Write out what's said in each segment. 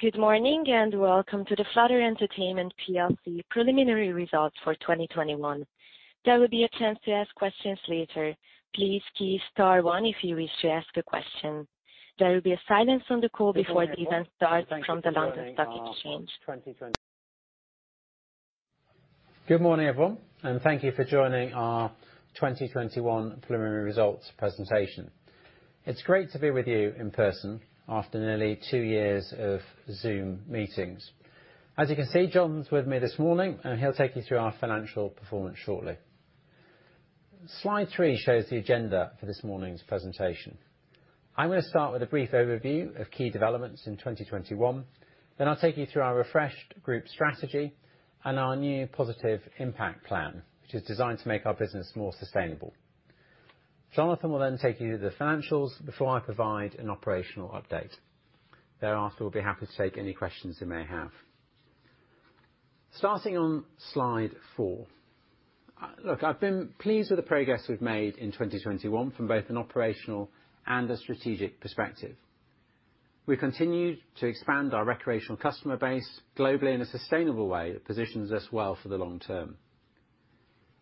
Good morning, and welcome to the Flutter Entertainment plc Preliminary Results for 2021. There will be a chance to ask questions later. Please press star one if you wish to ask a question. There will be a silence on the call before the event starts from the London Stock Exchange. Good morning, everyone, and thank you for joining our 2021 Preliminary Results Presentation. It's great to be with you in person after nearly 2 years of Zoom meetings. As you can see, Jonathan's with me this morning, and he'll take you through our financial performance shortly. Slide 3 shows the agenda for this morning's presentation. I'm gonna start with a brief overview of key developments in 2021. Then I'll take you through our refreshed group strategy and our new positive impact plan, which is designed to make our business more sustainable. Jonathan will then take you to the financials before I provide an operational update. Thereafter, we'll be happy to take any questions you may have. Starting on slide four. Look, I've been pleased with the progress we've made in 2021 from both an operational and a strategic perspective. We've continued to expand our recreational customer base globally in a sustainable way that positions us well for the long term.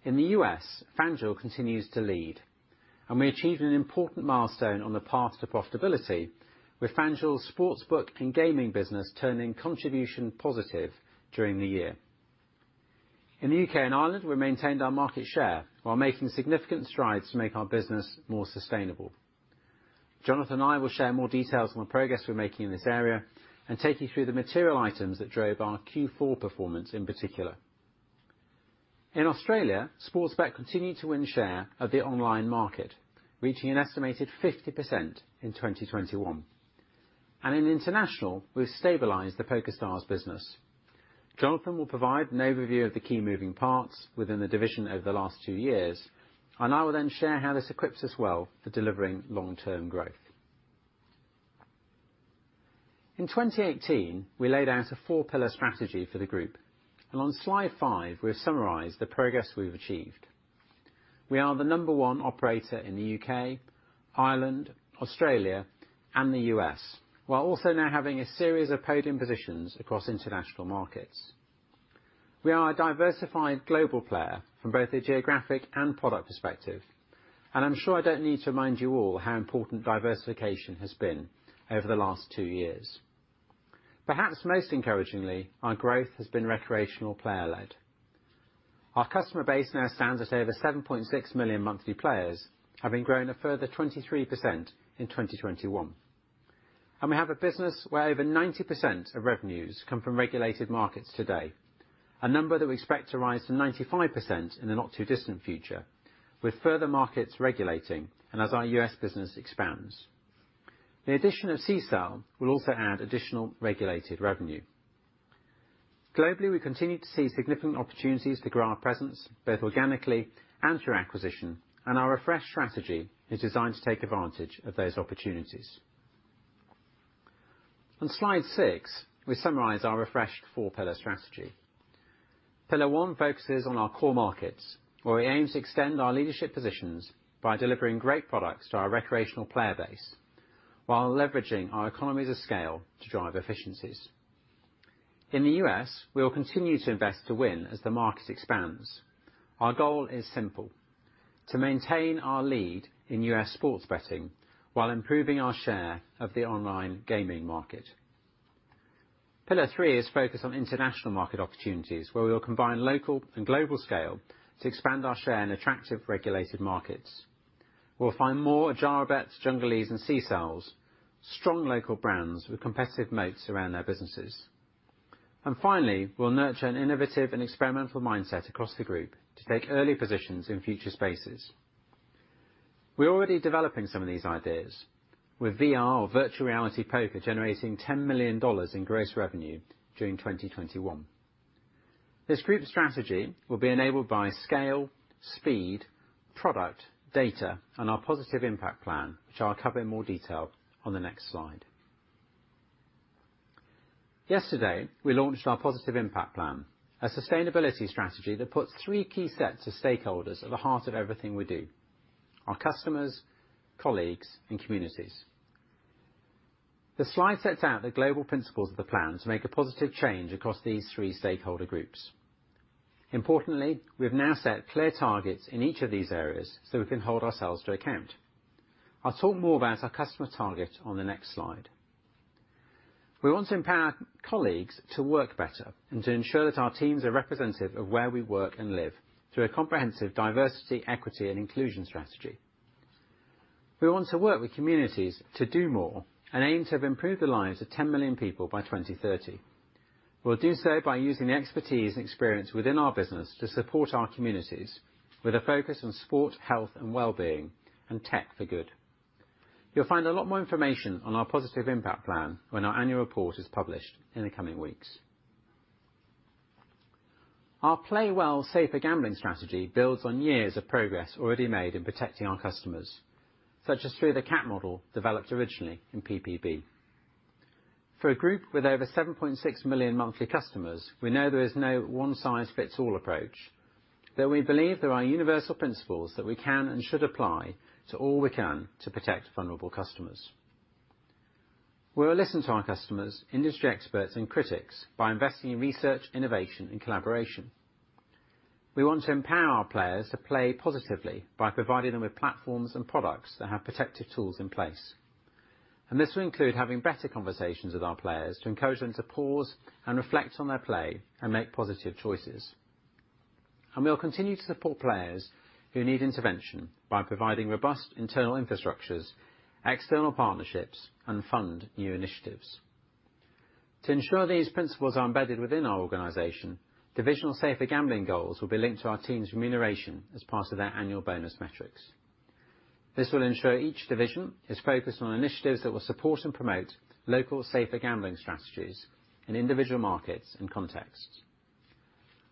In the U.S., FanDuel continues to lead, and we achieved an important milestone on the path to profitability with FanDuel's sportsbook and gaming business turning contribution positive during the year. In the U.K. and Ireland, we maintained our market share while making significant strides to make our business more sustainable. Jonathan and I will share more details on the progress we're making in this area and take you through the material items that drove our Q4 performance in particular. In Australia, Sportsbet continued to win share of the online market, reaching an estimated 50% in 2021. In international, we've stabilized the PokerStars business. Jonathan will provide an overview of the key moving parts within the division over the last two years, and I will then share how this equips us well for delivering long-term growth. In 2018, we laid out a four-pillar strategy for the group. On slide 5, we've summarized the progress we've achieved. We are the number one operator in the U.K., Ireland, Australia, and the U.S. We're also now having a series of podium positions across international markets. We are a diversified global player from both a geographic and product perspective, and I'm sure I don't need to remind you all how important diversification has been over the last two years. Perhaps most encouragingly, our growth has been recreational player-led. Our customer base now stands at over 7.6 million monthly players, having grown a further 23% in 2021. We have a business where over 90% of revenues come from regulated markets today, a number that we expect to rise to 95% in the not-too-distant future with further markets regulating and as our U.S. business expands. The addition of Sisal will also add additional regulated revenue. Globally, we continue to see significant opportunities to grow our presence, both organically and through acquisition, and our refreshed strategy is designed to take advantage of those opportunities. On slide 6, we summarize our refreshed four-pillar strategy. Pillar one focuses on our core markets, where we aim to extend our leadership positions by delivering great products to our recreational player base while leveraging our economies of scale to drive efficiencies. In the U.S., we will continue to invest to win as the market expands. Our goal is simple, to maintain our lead in U.S. sports betting while improving our share of the online gaming market. Pillar three is focused on international market opportunities where we will combine local and global scale to expand our share in attractive regulated markets. We'll find more Adjarabet, Junglee Games, and Sisal, strong local brands with competitive moats around their businesses. Finally, we'll nurture an innovative and experimental mindset across the group to take early positions in future spaces. We're already developing some of these ideas with VR or virtual reality poker generating $10 million in gross revenue during 2021. This group strategy will be enabled by scale, speed, product, data, and our positive impact plan, which I'll cover in more detail on the next slide. Yesterday, we launched our positive impact plan, a sustainability strategy that puts three key sets of stakeholders at the heart of everything we do, our customers, colleagues, and communities. The slide sets out the global principles of the plan to make a positive change across these three stakeholder groups. Importantly, we've now set clear targets in each of these areas so we can hold ourselves to account. I'll talk more about our customer target on the next slide. We want to empower colleagues to work better and to ensure that our teams are representative of where we work and live through a comprehensive diversity, equity, and inclusion strategy. We want to work with communities to do more and aim to have improved the lives of 10 million people by 2030. We'll do so by using the expertise and experience within our business to support our communities with a focus on sport, health, and wellbeing, and tech for good. You'll find a lot more information on our positive impact plan when our annual report is published in the coming weeks. Our Play Well safer gambling strategy builds on years of progress already made in protecting our customers, such as through the CAT model developed originally in PPB. For a group with over 7.6 million monthly customers, we know there is no one-size-fits-all approach. That we believe there are universal principles that we can and should apply to all we can to protect vulnerable customers. We will listen to our customers, industry experts and critics by investing in research, innovation and collaboration. We want to empower our players to play positively by providing them with platforms and products that have protective tools in place. This will include having better conversations with our players to encourage them to pause and reflect on their play and make positive choices. We'll continue to support players who need intervention by providing robust internal infrastructures, external partnerships, and fund new initiatives. To ensure these principles are embedded within our organization, divisional safer gambling goals will be linked to our team's remuneration as part of their annual bonus metrics. This will ensure each division is focused on initiatives that will support and promote local safer gambling strategies in individual markets and contexts.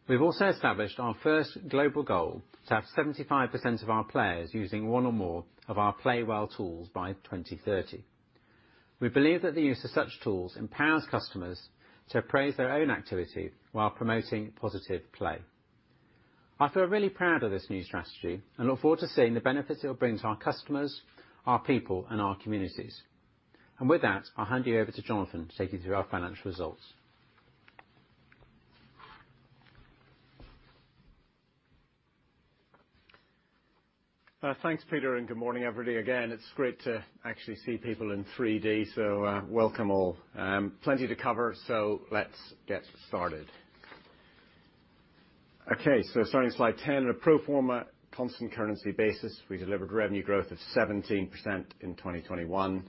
We've also established our first global goal to have 75% of our players using one or more of our Play Well tools by 2030. We believe that the use of such tools empowers customers to appraise their own activity while promoting positive play. I feel really proud of this new strategy and look forward to seeing the benefits it'll bring to our customers, our people, and our communities. With that, I'll hand you over to Jonathan to take you through our financial results. Thanks, Peter, and good morning, everybody. Again, it's great to actually see people in 3D, so welcome all. Plenty to cover, so let's get started. Starting at slide 10, on a pro forma constant currency basis, we delivered revenue growth of 17% in 2021.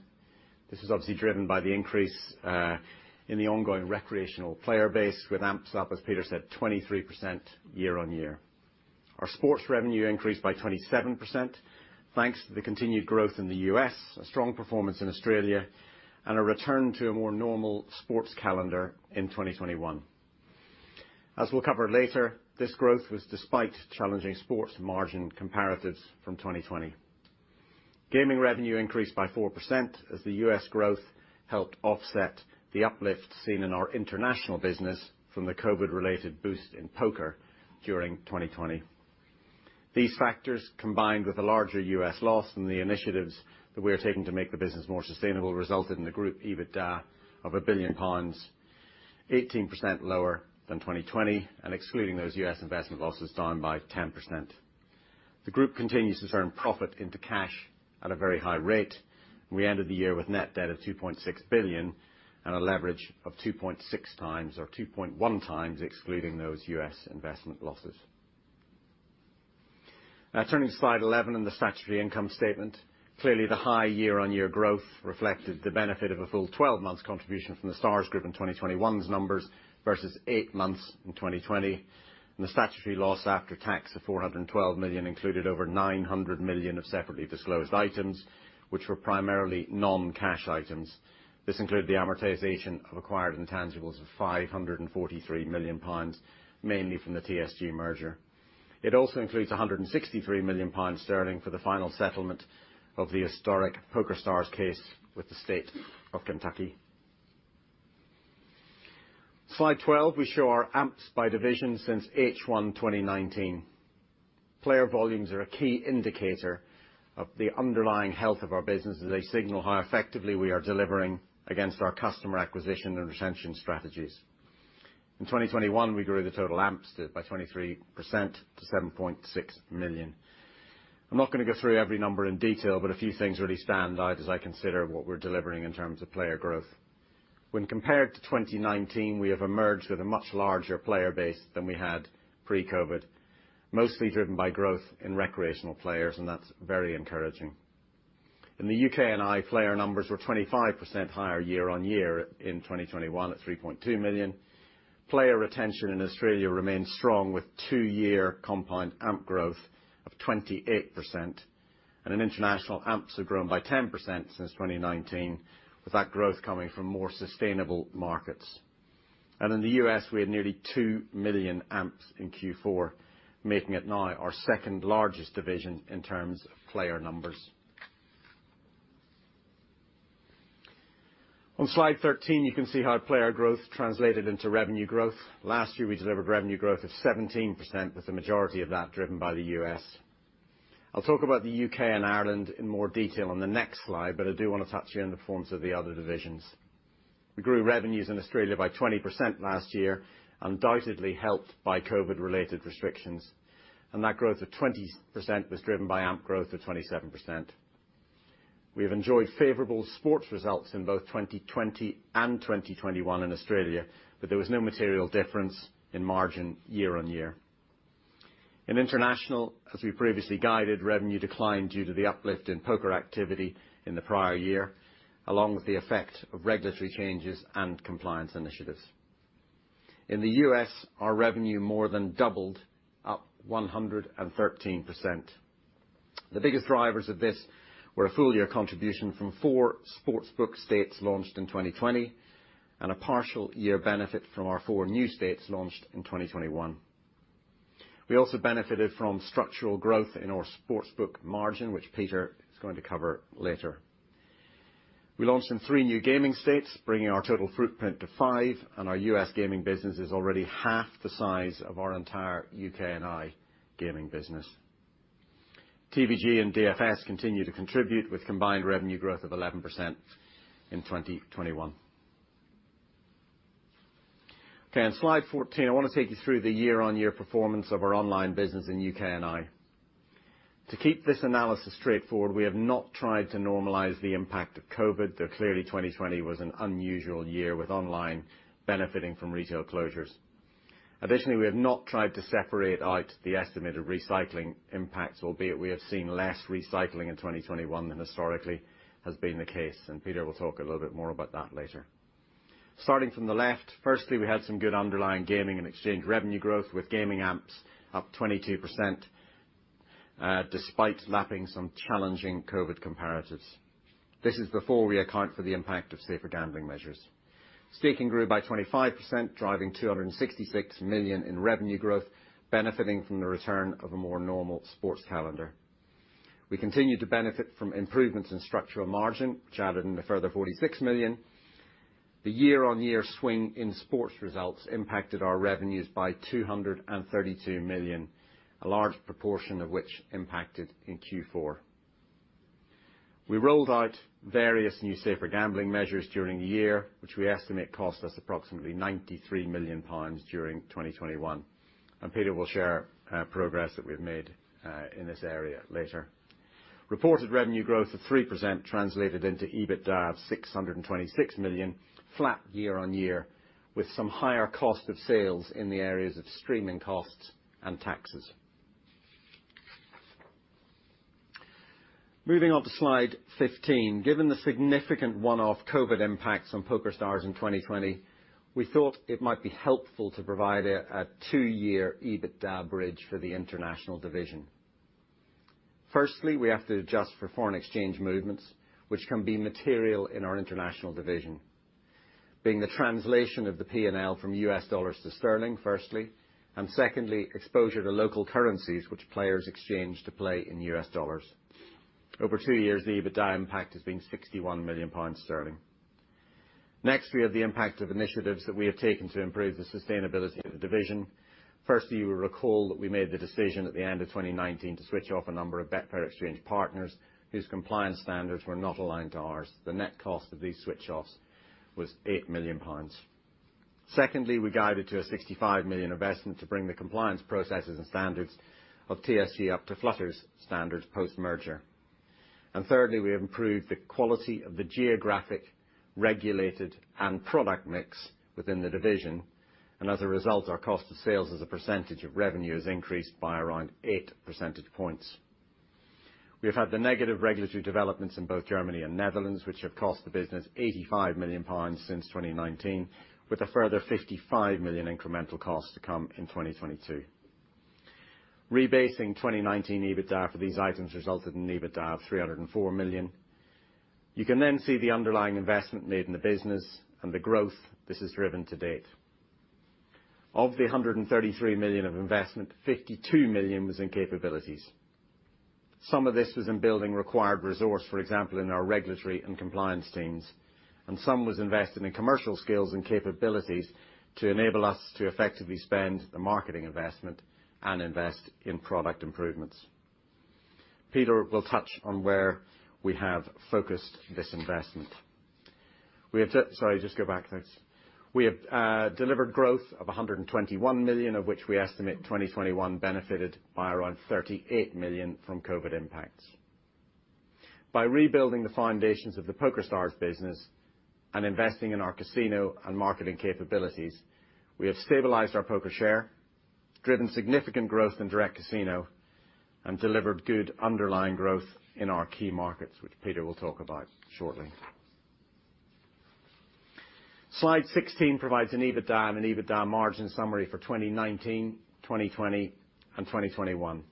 This is obviously driven by the increase in the ongoing recreational player base with AMPs up, as Peter said, 23% year-on-year. Our sports revenue increased by 27% thanks to the continued growth in the U.S., a strong performance in Australia, and a return to a more normal sports calendar in 2021. As we'll cover later, this growth was despite challenging sports margin comparatives from 2020. Gaming revenue increased by 4% as the U.S. growth helped offset the uplift seen in our international business from the COVID-related boost in poker during 2020. These factors, combined with a larger U.S. loss and the initiatives that we are taking to make the business more sustainable, resulted in the group EBITDA of 1 billion pounds, 18% lower than 2020 and excluding those U.S. investment losses down by 10%. The group continues to turn profit into cash at a very high rate. We ended the year with net debt of 2.6 billion and a leverage of 2.6x or 2.1x excluding those U.S. investment losses. Now turning to slide 11 and the statutory income statement. Clearly, the high year-on-year growth reflected the benefit of a full twelve months contribution from The Stars Group in 2021's numbers versus eight months in 2020. The statutory loss after tax of 412 million included over 900 million of separately disclosed items which were primarily non-cash items. This included the amortization of acquired intangibles of 543 million pounds, mainly from the TSG merger. It also includes 163 million sterling for the final settlement of the historic PokerStars case with the state of Kentucky. Slide 12, we show our AMPs by division since H1 2019. Player volumes are a key indicator of the underlying health of our business as they signal how effectively we are delivering against our customer acquisition and retention strategies. In 2021, we grew the total AMPs to by 23% to 7.6 million. I'm not gonna go through every number in detail, but a few things really stand out as I consider what we're delivering in terms of player growth. When compared to 2019, we have emerged with a much larger player base than we had pre-COVID, mostly driven by growth in recreational players, and that's very encouraging. In the UK and Ireland, player numbers were 25% higher year-on-year in 2021 at 3.2 million. Player retention in Australia remains strong with 2-year compound AMP growth of 28%. In international, AMPs have grown by 10% since 2019, with that growth coming from more sustainable markets. In the U.S., we had nearly 2 million AMPs in Q4, making it now our second-largest division in terms of player numbers. On slide 13, you can see how player growth translated into revenue growth. Last year, we delivered revenue growth of 17%, with the majority of that driven by the U.S. I'll talk about the U.K. and Ireland in more detail on the next slide, but I do wanna touch here on the forms of the other divisions. We grew revenues in Australia by 20% last year, undoubtedly helped by COVID-related restrictions, and that growth of 20% was driven by AMP growth of 27%. We have enjoyed favorable sports results in both 2020 and 2021 in Australia, but there was no material difference in margin year-on-year. In international, as we previously guided, revenue declined due to the uplift in poker activity in the prior year, along with the effect of regulatory changes and compliance initiatives. In the U.S., our revenue more than doubled, up 113%. The biggest drivers of this were a full-year contribution from 4 sportsbook states launched in 2020 and a partial year benefit from our 4 new states launched in 2021. We also benefited from structural growth in our sportsbook margin, which Peter is going to cover later. We launched in 3 new gaming states, bringing our total footprint to 5, and our U.S. gaming business is already half the size of our entire U.K. and Ireland gaming business. TVG and DFS continue to contribute, with combined revenue growth of 11% in 2021. Okay, on slide 14, I wanna take you through the year-on-year performance of our online business in UK and Ireland. To keep this analysis straightforward, we have not tried to normalize the impact of COVID, though clearly 2020 was an unusual year, with online benefiting from retail closures. Additionally, we have not tried to separate out the estimated recycling impacts, albeit we have seen less recycling in 2021 than historically has been the case, and Peter will talk a little bit more about that later. Starting from the left, firstly, we had some good underlying gaming and exchange revenue growth, with gaming AMPs up 22%, despite lapping some challenging COVID comparatives. This is before we account for the impact of safer gambling measures. Staking grew by 25%, driving 266 million in revenue growth, benefiting from the return of a more normal sports calendar. We continued to benefit from improvements in structural margin, which added in a further 46 million. The year-on-year swing in sports results impacted our revenues by 232 million, a large proportion of which impacted in Q4. We rolled out various new safer gambling measures during the year, which we estimate cost us approximately 93 million pounds during 2021. Peter will share progress that we've made in this area later. Reported revenue growth of 3% translated into EBITDA of 626 million, flat year-on-year, with some higher cost of sales in the areas of streaming costs and taxes. Moving on to slide 15, given the significant one-off COVID impacts on PokerStars in 2020, we thought it might be helpful to provide a two-year EBITDA bridge for the international division. Firstly, we have to adjust for foreign exchange movements, which can be material in our international division, being the translation of the P&L from US dollars to sterling, firstly, and secondly, exposure to local currencies which players exchange to play in U.S. dollars. Over two years, the EBITDA impact has been 61 million sterling. Next, we have the impact of initiatives that we have taken to improve the sustainability of the division. Firstly, you will recall that we made the decision at the end of 2019 to switch off a number of Betfair Exchange partners whose compliance standards were not aligned to ours. The net cost of these switch-offs was 8 million pounds. Secondly, we guided to a 65 million investment to bring the compliance processes and standards of TSG up to Flutter's standards post-merger. Thirdly, we improved the quality of the geographic, regulated, and product mix within the division, and as a result, our cost of sales as a percentage of revenue has increased by around 8 percentage points. We have had the negative regulatory developments in both Germany and Netherlands, which have cost the business 85 million pounds since 2019, with a further 55 million incremental costs to come in 2022. Rebasing 2019 EBITDA for these items resulted in EBITDA of 304 million. You can then see the underlying investment made in the business and the growth this has driven to date. Of the 133 million of investment, 52 million was in capabilities. Some of this was in building required resource, for example, in our regulatory and compliance teams, and some was invested in commercial skills and capabilities to enable us to effectively spend the marketing investment and invest in product improvements. Peter will touch on where we have focused this investment. We have delivered growth of 121 million, of which we estimate 2021 benefited by around 38 million from COVID impacts. By rebuilding the foundations of the PokerStars business and investing in our casino and marketing capabilities, we have stabilized our poker share, driven significant growth in direct casino, and delivered good underlying growth in our key markets, which Peter will talk about shortly. Slide 16 provides an EBITDA and EBITDA margin summary for 2019, 2020, and 2021.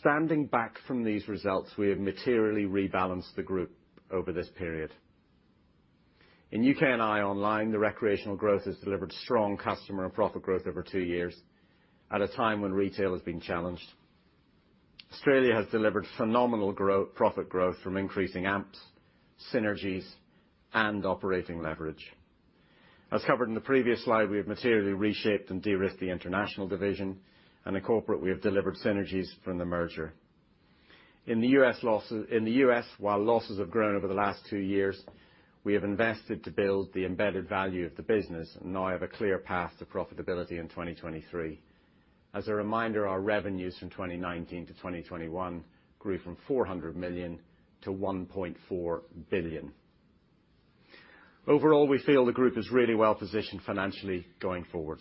Standing back from these results, we have materially rebalanced the group over this period. In UK and Ireland online, the recreational growth has delivered strong customer and profit growth over two years, at a time when retail has been challenged. Australia has delivered phenomenal profit growth from increasing AMPs, synergies, and operating leverage. As covered in the previous slide, we have materially reshaped and de-risked the international division, and at corporate, we have delivered synergies from the merger. In the U.S., while losses have grown over the last two years, we have invested to build the embedded value of the business, and now have a clear path to profitability in 2023. As a reminder, our revenues from 2019 to 2021 grew from 400 million to 1.4 billion. Overall, we feel the group is really well-positioned financially going forward.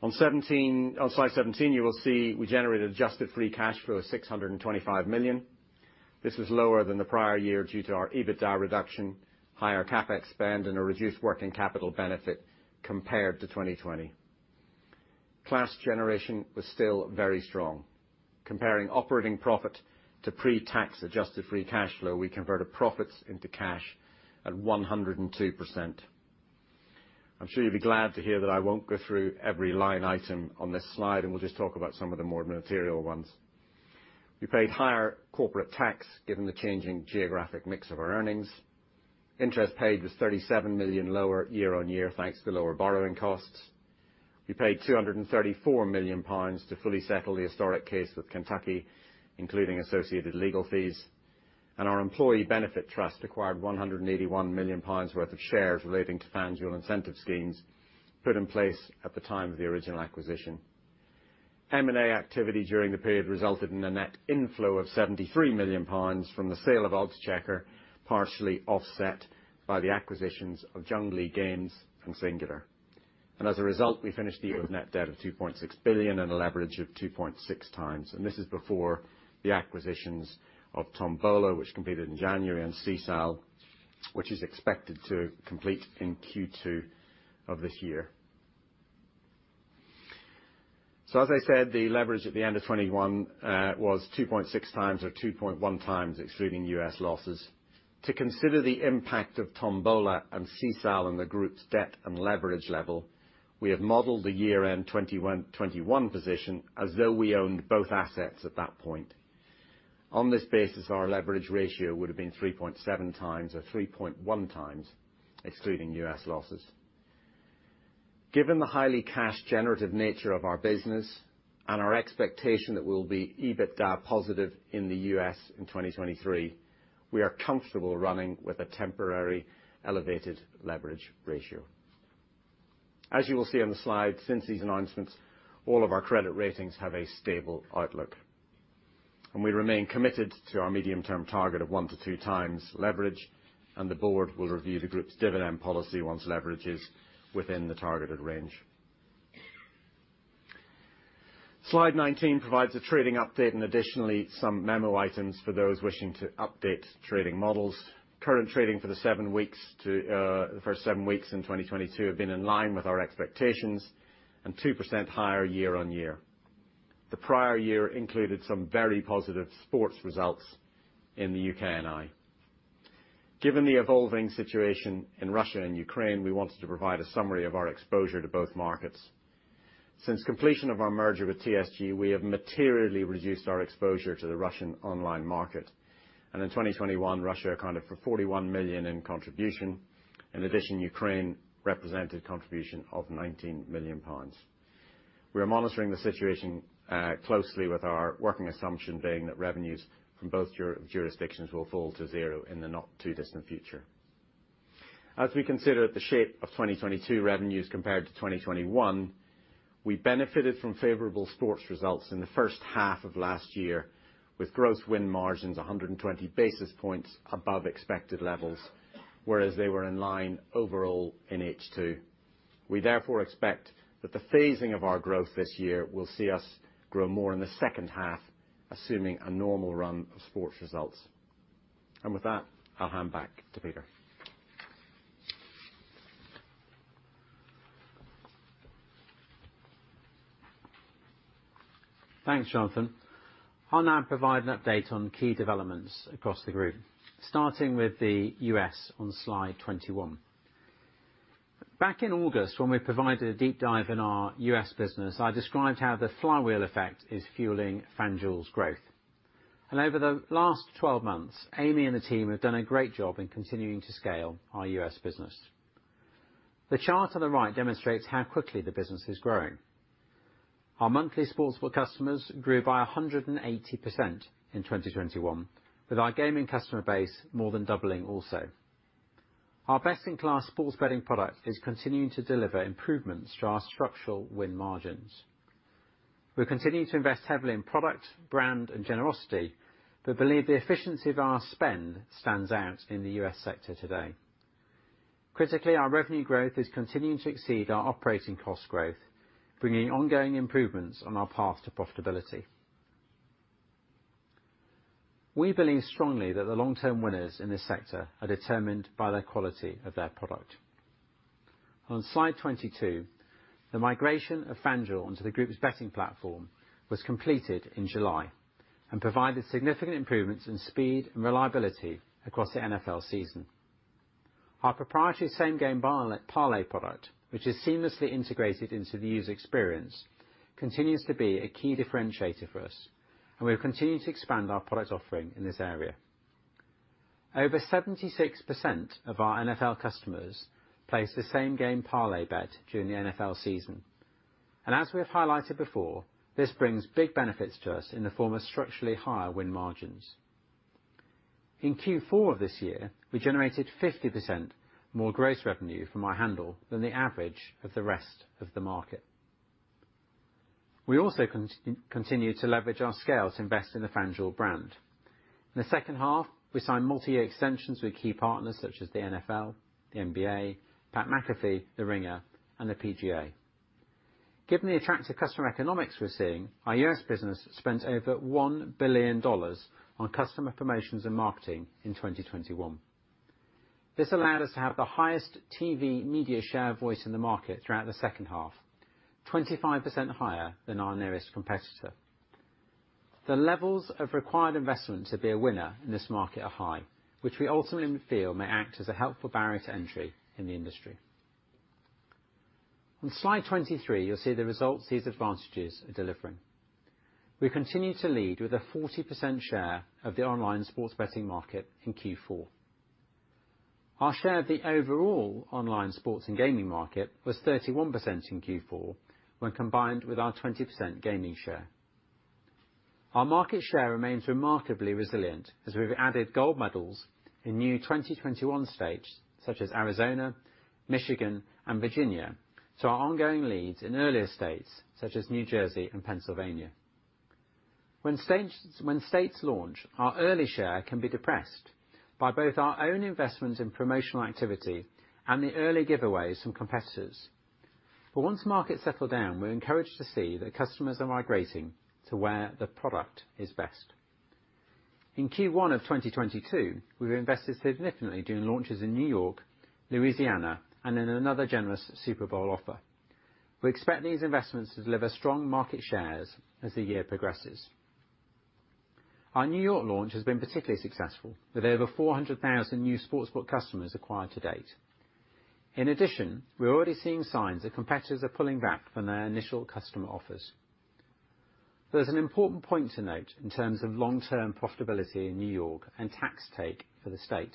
On slide 17, you will see we generated adjusted free cash flow of 625 million. This was lower than the prior year due to our EBITDA reduction, higher CapEx spend, and a reduced working capital benefit compared to 2020. Cash generation was still very strong. Comparing operating profit to pre-tax adjusted free cash flow, we converted profits into cash at 102%. I'm sure you'll be glad to hear that I won't go through every line item on this slide, and we'll just talk about some of the more material ones. We paid higher corporate tax, given the changing geographic mix of our earnings. Interest paid was 37 million lower year-over-year, thanks to lower borrowing costs. We paid 234 million pounds to fully settle the historic case with Kentucky, including associated legal fees. Our employee benefit trust acquired 181 million pounds worth of shares relating to FanDuel incentive schemes put in place at the time of the original acquisition. M&A activity during the period resulted in a net inflow of 73 million pounds from the sale of Oddschecker, partially offset by the acquisitions of Junglee Games and Singular. As a result, we finished the year with net debt of 2.6 billion and a leverage of 2.6x, and this is before the acquisitions of Tombola, which completed in January, and Sisal, which is expected to complete in Q2 of this year. As I said, the leverage at the end of 2021 was 2.6x or 2.1x excluding U.S. losses. To consider the impact of Tombola and Sisal and the group's debt and leverage level, we have modeled the year-end 2021 position as though we owned both assets at that point. On this basis, our leverage ratio would have been 3.7 times or 3.1 times excluding U.S. losses. Given the highly cash generative nature of our business and our expectation that we'll be EBITDA positive in the U.S. in 2023, we are comfortable running with a temporary elevated leverage ratio. As you will see on the slide, since these announcements, all of our credit ratings have a stable outlook, and we remain committed to our medium-term target of 1-2 times leverage, and the board will review the group's dividend policy once leverage is within the targeted range. Slide 19 provides a trading update and additionally some memo items for those wishing to update trading models. Current trading for the 7 weeks to the first 7 weeks in 2022 have been in line with our expectations and 2% higher year-on-year. The prior year included some very positive sports results in the U.K. and Ireland. Given the evolving situation in Russia and Ukraine, we wanted to provide a summary of our exposure to both markets. Since completion of our merger with TSG, we have materially reduced our exposure to the Russian online market, and in 2021, Russia accounted for 41 million in contribution. In addition, Ukraine represented contribution of 19 million pounds. We are monitoring the situation closely with our working assumption being that revenues from both jurisdictions will fall to zero in the not too distant future. As we consider the shape of 2022 revenues compared to 2021, we benefited from favorable sports results in the first half of last year, with gross win margins 120 basis points above expected levels, whereas they were in line overall in H2. We therefore expect that the phasing of our growth this year will see us grow more in the second half, assuming a normal run of sports results. With that, I'll hand back to Peter. Thanks, Jonathan. I'll now provide an update on key developments across the group, starting with the U.S. on slide 21. Back in August, when we provided a deep dive in our U.S. business, I described how the flywheel effect is fueling FanDuel's growth. Over the last 12 months, Amy and the team have done a great job in continuing to scale our U.S. business. The chart on the right demonstrates how quickly the business is growing. Our monthly sports book customers grew by 180% in 2021, with our gaming customer base more than doubling also. Our best-in-class sports betting product is continuing to deliver improvements to our structural win margins. We're continuing to invest heavily in product, brand, and generosity, but believe the efficiency of our spend stands out in the U.S. sector today. Critically, our revenue growth is continuing to exceed our operating cost growth, bringing ongoing improvements on our path to profitability. We believe strongly that the long-term winners in this sector are determined by the quality of their product. On slide 22, the migration of FanDuel onto the group's betting platform was completed in July and provided significant improvements in speed and reliability across the NFL season. Our proprietary Same Game Parlay product, which is seamlessly integrated into the user experience, continues to be a key differentiator for us, and we've continued to expand our product offering in this area. Over 76% of our NFL customers place the Same Game Parlay bet during the NFL season. As we have highlighted before, this brings big benefits to us in the form of structurally higher win margins. In Q4 of this year, we generated 50% more gross revenue from our handle than the average of the rest of the market. We also continue to leverage our scale to invest in the FanDuel brand. In the second half, we signed multi-year extensions with key partners such as the NFL, the NBA, Pat McAfee, The Ringer, and the PGA. Given the attractive customer economics we're seeing, our U.S. business spent over $1 billion on customer promotions and marketing in 2021. This allowed us to have the highest TV media share voice in the market throughout the second half, 25% higher than our nearest competitor. The levels of required investment to be a winner in this market are high, which we ultimately feel may act as a helpful barrier to entry in the industry. On slide 23, you'll see the results these advantages are delivering. We continue to lead with a 40% share of the online sports betting market in Q4. Our share of the overall online sports and gaming market was 31% in Q4 when combined with our 20% gaming share. Our market share remains remarkably resilient as we've added gold medals in new 2021 states, such as Arizona, Michigan, and Virginia, to our ongoing leads in earlier states such as New Jersey and Pennsylvania. When states launch, our early share can be depressed by both our own investment in promotional activity and the early giveaways from competitors. Once the market settle down, we're encouraged to see that customers are migrating to where the product is best. In Q1 of 2022, we've invested significantly during launches in New York, Louisiana, and in another generous Super Bowl offer. We expect these investments to deliver strong market shares as the year progresses. Our New York launch has been particularly successful, with over 400,000 new sports book customers acquired to date. In addition, we're already seeing signs that competitors are pulling back from their initial customer offers. There's an important point to note in terms of long-term profitability in New York and tax take for the state.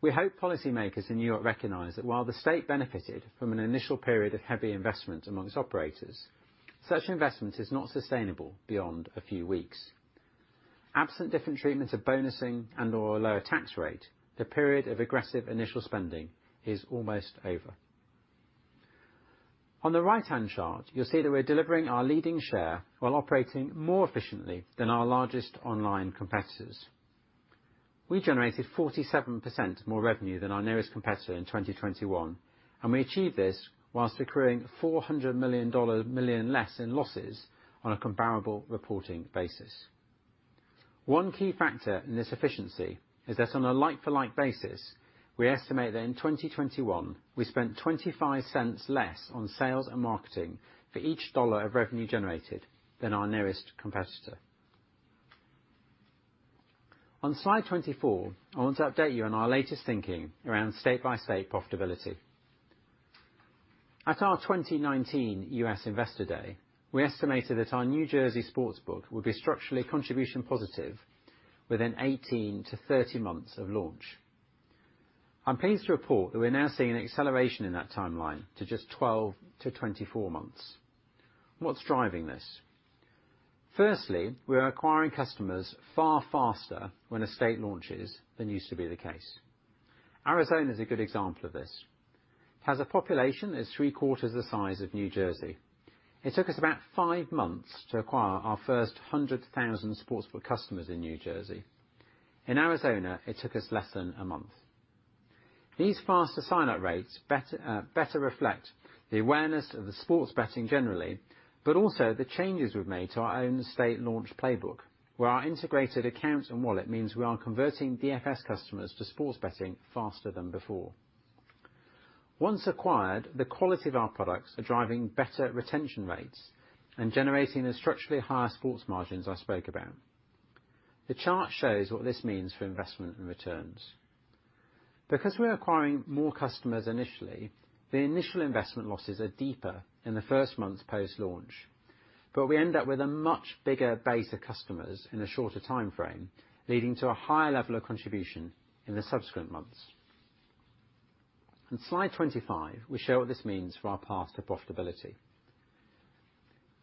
We hope policymakers in New York recognize that while the state benefited from an initial period of heavy investment amongst operators, such investment is not sustainable beyond a few weeks. Absent different treatments of bonusing and/or a lower tax rate, the period of aggressive initial spending is almost over. On the right-hand chart, you'll see that we're delivering our leading share while operating more efficiently than our largest online competitors. We generated 47% more revenue than our nearest competitor in 2021, and we achieved this while accruing $400 million less in losses on a comparable reporting basis. One key factor in this efficiency is that on a like-for-like basis, we estimate that in 2021, we spent $0.25 less on sales and marketing for each $1 of revenue generated than our nearest competitor. On slide 24, I want to update you on our latest thinking around state-by-state profitability. At our 2019 U.S. Investor Day, we estimated that our New Jersey sportsbook would be structurally contribution positive within 18-30 months of launch. I'm pleased to report that we're now seeing an acceleration in that timeline to just 12-24 months. What's driving this? First, we are acquiring customers far faster when a state launches than used to be the case. Arizona is a good example of this. It has a population that's three-quarters the size of New Jersey. It took us about 5 months to acquire our first 100,000 sportsbook customers in New Jersey. In Arizona, it took us less than a month. These faster sign-up rates better reflect the awareness of the sports betting generally, but also the changes we've made to our own state launch playbook, where our integrated account and wallet means we are converting DFS customers to sports betting faster than before. Once acquired, the quality of our products are driving better retention rates and generating the structurally higher sports margins I spoke about. The chart shows what this means for investment and returns. Because we're acquiring more customers initially, the initial investment losses are deeper in the first month post-launch. We end up with a much bigger base of customers in a shorter timeframe, leading to a higher level of contribution in the subsequent months. On slide 25, we show what this means for our path to profitability.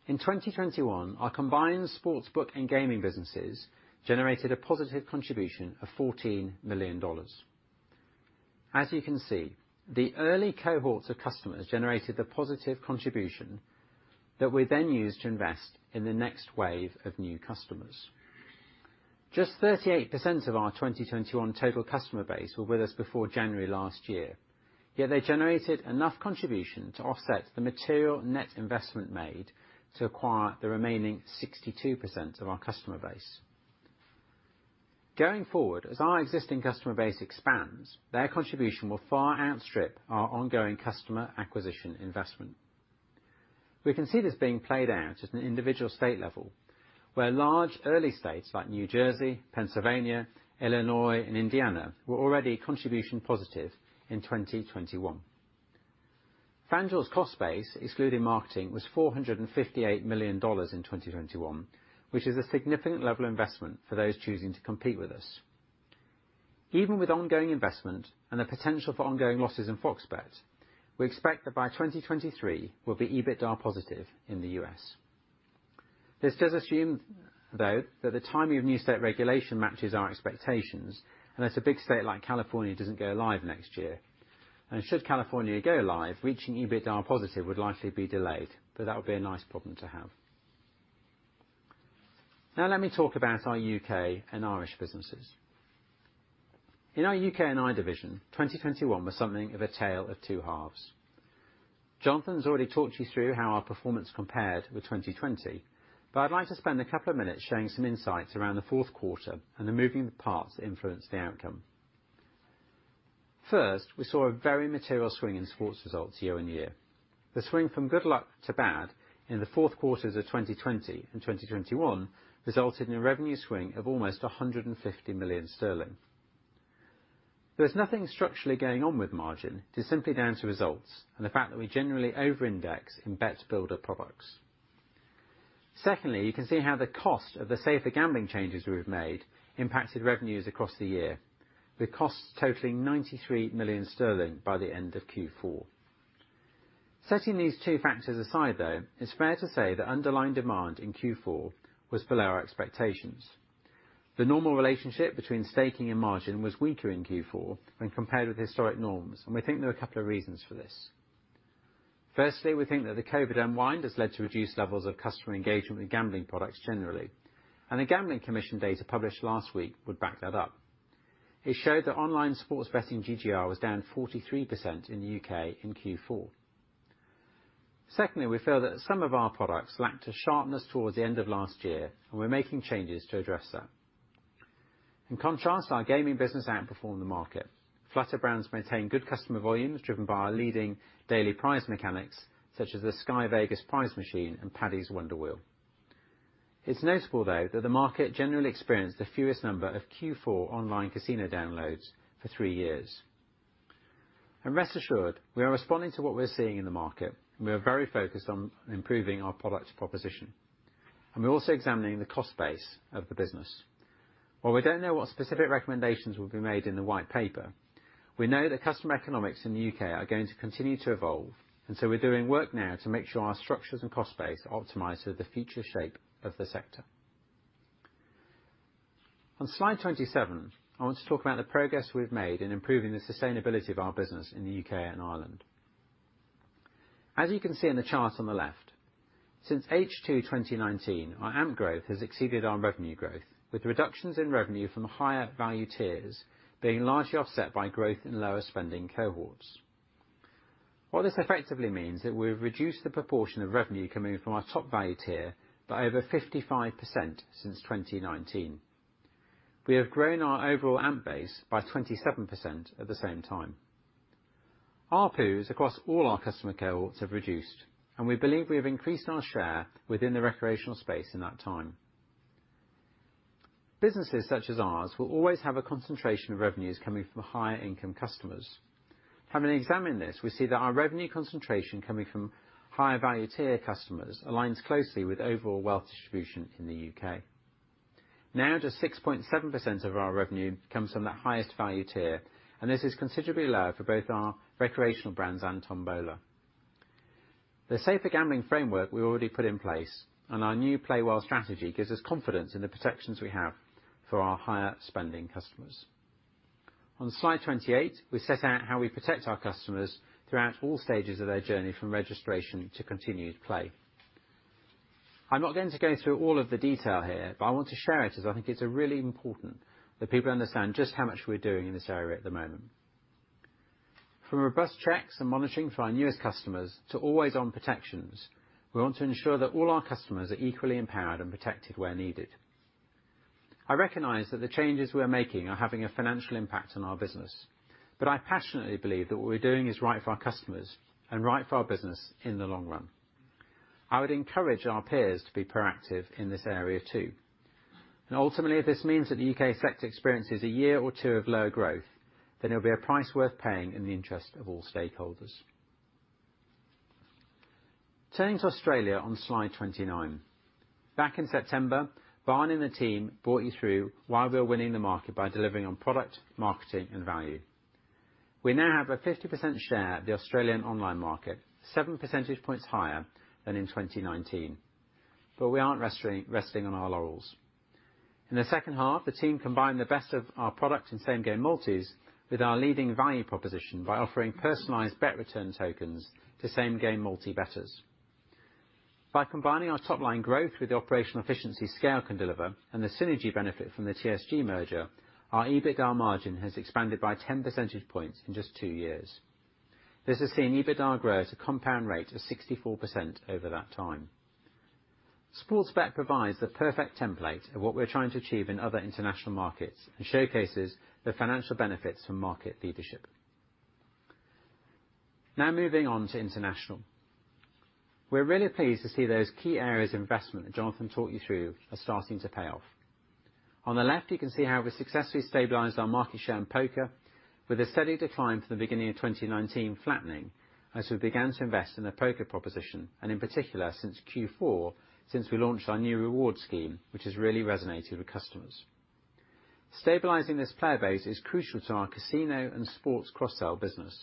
In 2021, our combined sports book and gaming businesses generated a positive contribution of $14 million. As you can see, the early cohorts of customers generated the positive contribution that we then use to invest in the next wave of new customers. Just 38% of our 2021 total customer base were with us before January last year, yet they generated enough contribution to offset the material net investment made to acquire the remaining 62% of our customer base. Going forward, as our existing customer base expands, their contribution will far outstrip our ongoing customer acquisition investment. We can see this being played out at an individual state level, where large early states like New Jersey, Pennsylvania, Illinois, and Indiana were already contribution positive in 2021. FanDuel's cost base, excluding marketing, was $458 million in 2021, which is a significant level of investment for those choosing to compete with us. Even with ongoing investment and the potential for ongoing losses in Fox Bet, we expect that by 2023, we'll be EBITDA positive in the U.S. This does assume, though, that the timing of new state regulation matches our expectations, and that a big state like California doesn't go live next year. Should California go live, reaching EBITDA positive would likely be delayed, but that would be a nice problem to have. Now let me talk about our U.K. and Irish businesses. In our UK and Ireland division, 2021 was something of a tale of two halves. Jonathan's already talked you through how our performance compared with 2020, but I'd like to spend a couple of minutes sharing some insights around the fourth quarter and the moving parts that influenced the outcome. First, we saw a very material swing in sports results year-on-year. The swing from good luck to bad in the fourth quarters of 2020 and 2021 resulted in a revenue swing of almost 150 million sterling. There's nothing structurally going on with margins. It's simply down to results and the fact that we generally over-index in bet builder products. Secondly, you can see how the cost of the safer gambling changes we've made impacted revenues across the year, with costs totaling 93 million sterling by the end of Q4. Setting these two factors aside, though, it's fair to say that underlying demand in Q4 was below our expectations. The normal relationship between staking and margin was weaker in Q4 when compared with historic norms, and we think there are a couple of reasons for this. Firstly, we think that the COVID unwind has led to reduced levels of customer engagement with gambling products generally, and the Gambling Commission data published last week would back that up. It showed that online sports betting GGR was down 43% in the U.K. in Q4. Secondly, we feel that some of our products lacked a sharpness towards the end of last year, and we're making changes to address that. In contrast, our gaming business outperformed the market. Flutter brands maintain good customer volumes driven by our leading daily prize mechanics, such as the Sky Vegas prize machine and Paddy's Wonder Wheel. It's notable, though, that the market generally experienced the fewest number of Q4 online casino downloads for 3 years. Rest assured, we are responding to what we're seeing in the market, and we are very focused on improving our product proposition, and we're also examining the cost base of the business. While we don't know what specific recommendations will be made in the White Paper, we know that customer economics in the U.K. are going to continue to evolve, and so we're doing work now to make sure our structures and cost base are optimized for the future shape of the sector. On slide 27, I want to talk about the progress we've made in improving the sustainability of our business in the U.K. and Ireland. As you can see in the chart on the left, since H2 2019, our AMP growth has exceeded our revenue growth, with reductions in revenue from higher value tiers being largely offset by growth in lower spending cohorts. What this effectively means is we've reduced the proportion of revenue coming from our top value tier by over 55% since 2019. We have grown our overall AMP base by 27% at the same time. ARPU across all our customer cohorts have reduced, and we believe we have increased our share within the recreational space in that time. Businesses such as ours will always have a concentration of revenues coming from higher income customers. Having examined this, we see that our revenue concentration coming from higher value tier customers aligns closely with overall wealth distribution in the U.K. Now, just 6.7% of our revenue comes from that highest value tier, and this is considerably lower for both our recreational brands and Tombola. The safer gambling framework we already put in place and our new Play Well strategy gives us confidence in the protections we have for our higher spending customers. On slide 28, we set out how we protect our customers throughout all stages of their journey from registration to continued play. I'm not going to go through all of the detail here, but I want to share it as I think it's really important that people understand just how much we're doing in this area at the moment. From robust checks and monitoring for our newest customers to always-on protections, we want to ensure that all our customers are equally empowered and protected where needed. I recognize that the changes we're making are having a financial impact on our business, but I passionately believe that what we're doing is right for our customers and right for our business in the long run. I would encourage our peers to be proactive in this area too. Ultimately, if this means that the U.K. sector experiences a year or two of lower growth, then it'll be a price worth paying in the interest of all stakeholders. Turning to Australia on slide 29. Back in September, Barn and the team brought you through why we're winning the market by delivering on product, marketing, and value. We now have a 50% share at the Australian online market, 7 percentage points higher than in 2019. But we aren't resting on our laurels. In the second half, the team combined the best of our product in Same Game Multis with our leading value proposition by offering personalized bet return tokens to Same Game Multi bettors. By combining our top-line growth with the operational efficiency scale can deliver and the synergy benefit from the TSG merger, our EBITDA margin has expanded by 10 percentage points in just two years. This has seen EBITDA grow at a compound rate of 64% over that time. Sportsbet provides the perfect template of what we're trying to achieve in other international markets and showcases the financial benefits from market leadership. Now moving on to international. We're really pleased to see those key areas of investment that Jonathan talked you through are starting to pay off. On the left, you can see how we successfully stabilized our market share in poker with a steady decline from the beginning of 2019 flattening as we began to invest in a poker proposition, and in particular since Q4, since we launched our new reward scheme, which has really resonated with customers. Stabilizing this player base is crucial to our casino and sports cross-sell business.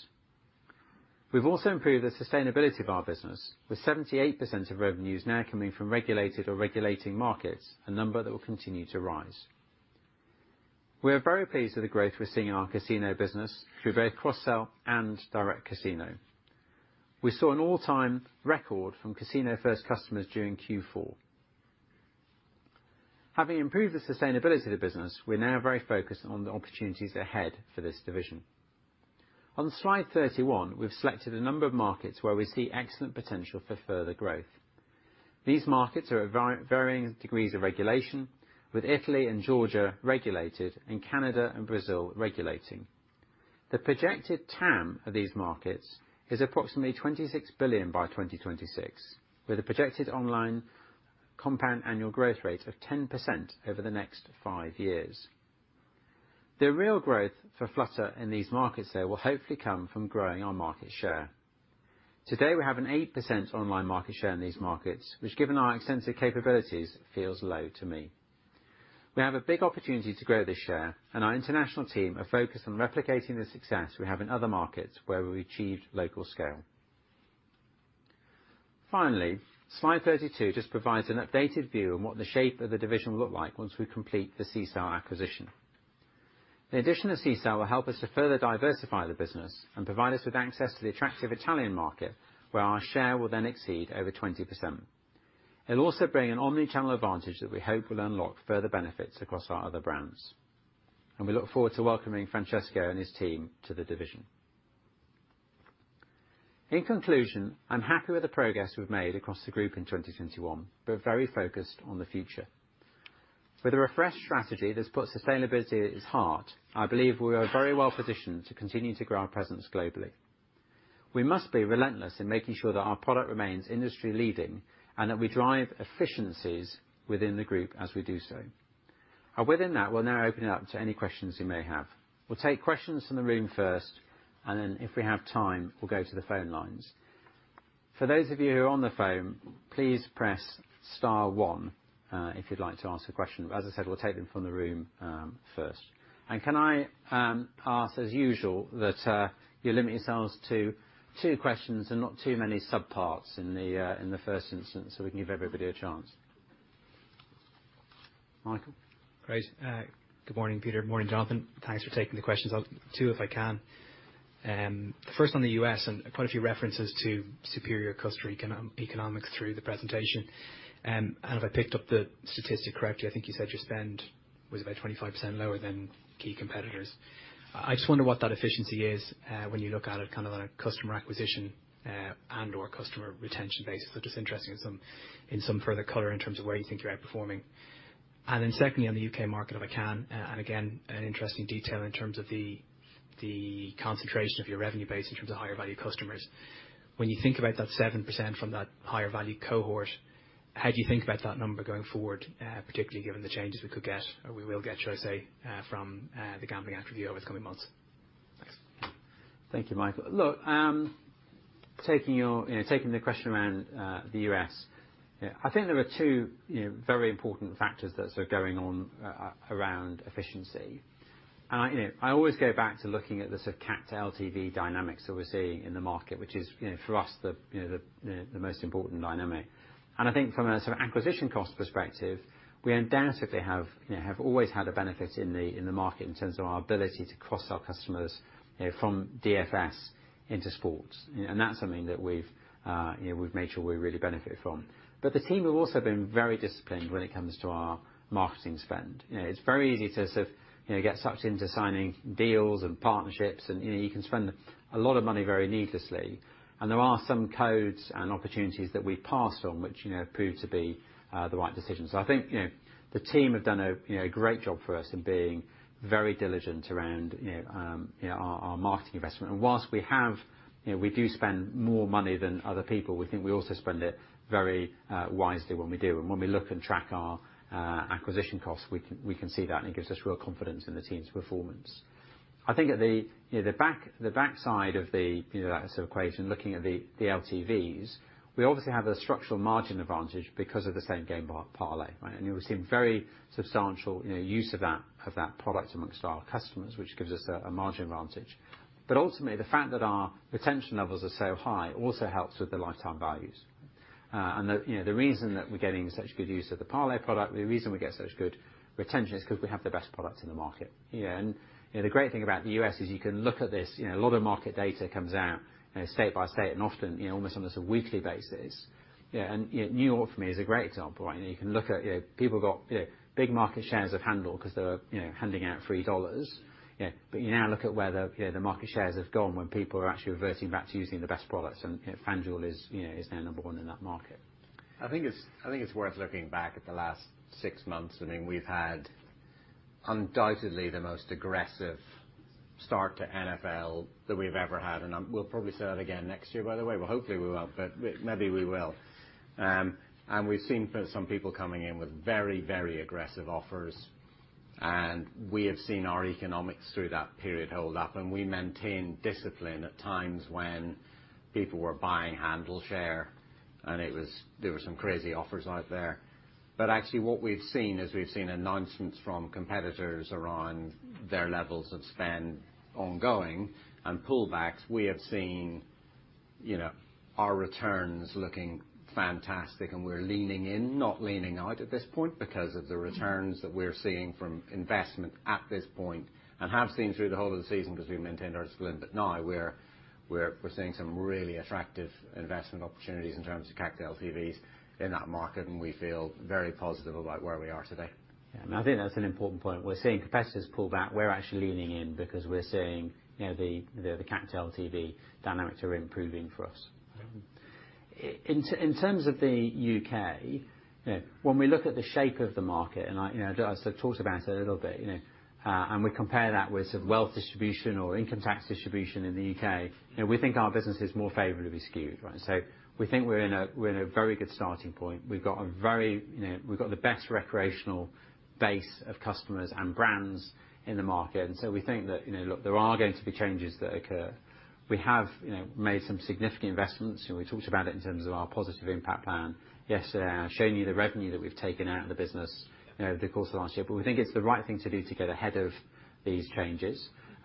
We've also improved the sustainability of our business, with 78% of revenues now coming from regulated or regulating markets, a number that will continue to rise. We are very pleased with the growth we're seeing in our casino business through both cross-sell and direct casino. We saw an all-time record from casino-first customers during Q4. Having improved the sustainability of the business, we're now very focused on the opportunities ahead for this division. On slide 31, we've selected a number of markets where we see excellent potential for further growth. These markets are at varying degrees of regulation, with Italy and Georgia regulated and Canada and Brazil regulating. The projected TAM of these markets is approximately 26 billion by 2026, with a projected online compound annual growth rate of 10% over the next 5 years. The real growth for Flutter in these markets, though, will hopefully come from growing our market share. Today, we have an 8% online market share in these markets, which given our extensive capabilities feels low to me. We have a big opportunity to grow this share, and our international team are focused on replicating the success we have in other markets where we've achieved local scale. Finally, slide 32 just provides an updated view on what the shape of the division will look like once we complete the Sisal acquisition. The addition of Sisal will help us to further diversify the business and provide us with access to the attractive Italian market, where our share will then exceed over 20%. It'll also bring an omni-channel advantage that we hope will unlock further benefits across our other brands. We look forward to welcoming Francesco and his team to the division. In conclusion, I'm happy with the progress we've made across the group in 2021, but very focused on the future. With a refreshed strategy that's put sustainability at its heart, I believe we are very well positioned to continue to grow our presence globally. We must be relentless in making sure that our product remains industry-leading and that we drive efficiencies within the group as we do so. Within that, we'll now open it up to any questions you may have. We'll take questions from the room first, and then if we have time, we'll go to the phone lines. For those of you who are on the phone, please press star one if you'd like to ask a question. As I said, we'll take them from the room first. Can I ask as usual that you limit yourselves to two questions and not too many sub-parts in the first instance, so we can give everybody a chance. Michael? Great. Good morning, Peter. Morning, Jonathan. Thanks for taking the questions. Two, if I can. First on the U.S. and quite a few references to superior customer economics through the presentation. If I picked up the statistic correctly, I think you said your spend was about 25% lower than key competitors. I just wonder what that efficiency is, when you look at it kind of on a customer acquisition and/or customer retention basis. Just interested in some further color in terms of where you think you're outperforming. Then secondly, on the U.K. market, if I can, again, an interesting detail in terms of the concentration of your revenue base in terms of higher value customers. When you think about that 7% from that higher value cohort, how do you think about that number going forward, particularly given the changes we could get or we will get, should I say, from the Gambling Act review over the coming months? Thanks. Thank you, Michael. Look, taking the question around the U.S. Yeah, I think there are two very important factors that are going on around efficiency. I always go back to looking at the sort of CAC to LTV dynamics that we're seeing in the market, which is for us the most important dynamic. I think from a sort of acquisition cost perspective, we undoubtedly have always had a benefit in the market in terms of our ability to cross our customers from DFS into sports. You know, that's something that we've made sure we really benefit from. The team have also been very disciplined when it comes to our marketing spend. You know, it's very easy to sort of, you know, get sucked into signing deals and partnerships and, you know, you can spend a lot of money very needlessly. There are some codes and opportunities that we pass on, which, you know, prove to be the right decision. I think, you know, the team have done a, you know, a great job for us in being very diligent around, you know, our marketing investment. Whilst we have, you know, we do spend more money than other people, we think we also spend it very wisely when we do. When we look and track our acquisition costs, we can see that and it gives us real confidence in the team's performance. I think at the back end of that sort of equation, looking at the LTVs, we obviously have a structural margin advantage because of the Same Game Parlay, right? We've seen very substantial, you know, use of that product amongst our customers, which gives us a margin advantage. Ultimately, the fact that our retention levels are so high also helps with the lifetime values. You know, the reason that we're getting such good use of the Same Game Parlay product, the reason we get such good retention is 'cause we have the best products in the market. You know, the great thing about the U.S. is you can look at this, you know, a lot of market data comes out, you know, state by state and often, you know, almost on a sort of weekly basis. You know, New York for me is a great example, right? You can look at, you know, people got, you know, big market shares of handle 'cause they're, you know, handing out free dollars. You know, you now look at where the, you know, the market shares have gone when people are actually reverting back to using the best products, and, you know, FanDuel is, you know, is now number one in that market. I think it's worth looking back at the last six months. I mean, we've had undoubtedly the most aggressive start to NFL that we've ever had. We'll probably say that again next year, by the way. Well, hopefully we won't, but maybe we will. We've seen for some people coming in with very, very aggressive offers, and we have seen our economics through that period hold up, and we maintain discipline at times when people were buying handle share, and there were some crazy offers out there. Actually what we've seen is we've seen announcements from competitors around their levels of spend ongoing and pullbacks. We have seen, you know, our returns looking fantastic and we're leaning in, not leaning out at this point because of the returns that we're seeing from investment at this point and have seen through the whole of the season because we've maintained our discipline. Now we're seeing some really attractive investment opportunities in terms of CAC to LTVs in that market and we feel very positive about where we are today. Yeah, I think that's an important point. We're seeing competitors pull back. We're actually leaning in because we're seeing, you know, the CAC to LTV dynamics are improving for us. Yeah. In terms of the U.K., you know, when we look at the shape of the market, and I, you know, as I talked about a little bit, and we compare that with sort of wealth distribution or income tax distribution in the U.K., you know, we think our business is more favorably skewed, right? We think we're in a very good starting point. We've got the best recreational base of customers and brands in the market. We think that, you know, look, there are going to be changes that occur. We have, you know, made some significant investments, you know, we talked about it in terms of our Positive Impact Plan yesterday, and I've shown you the revenue that we've taken out of the business, you know, over the course of last year. We think it's the right thing to do to get ahead of these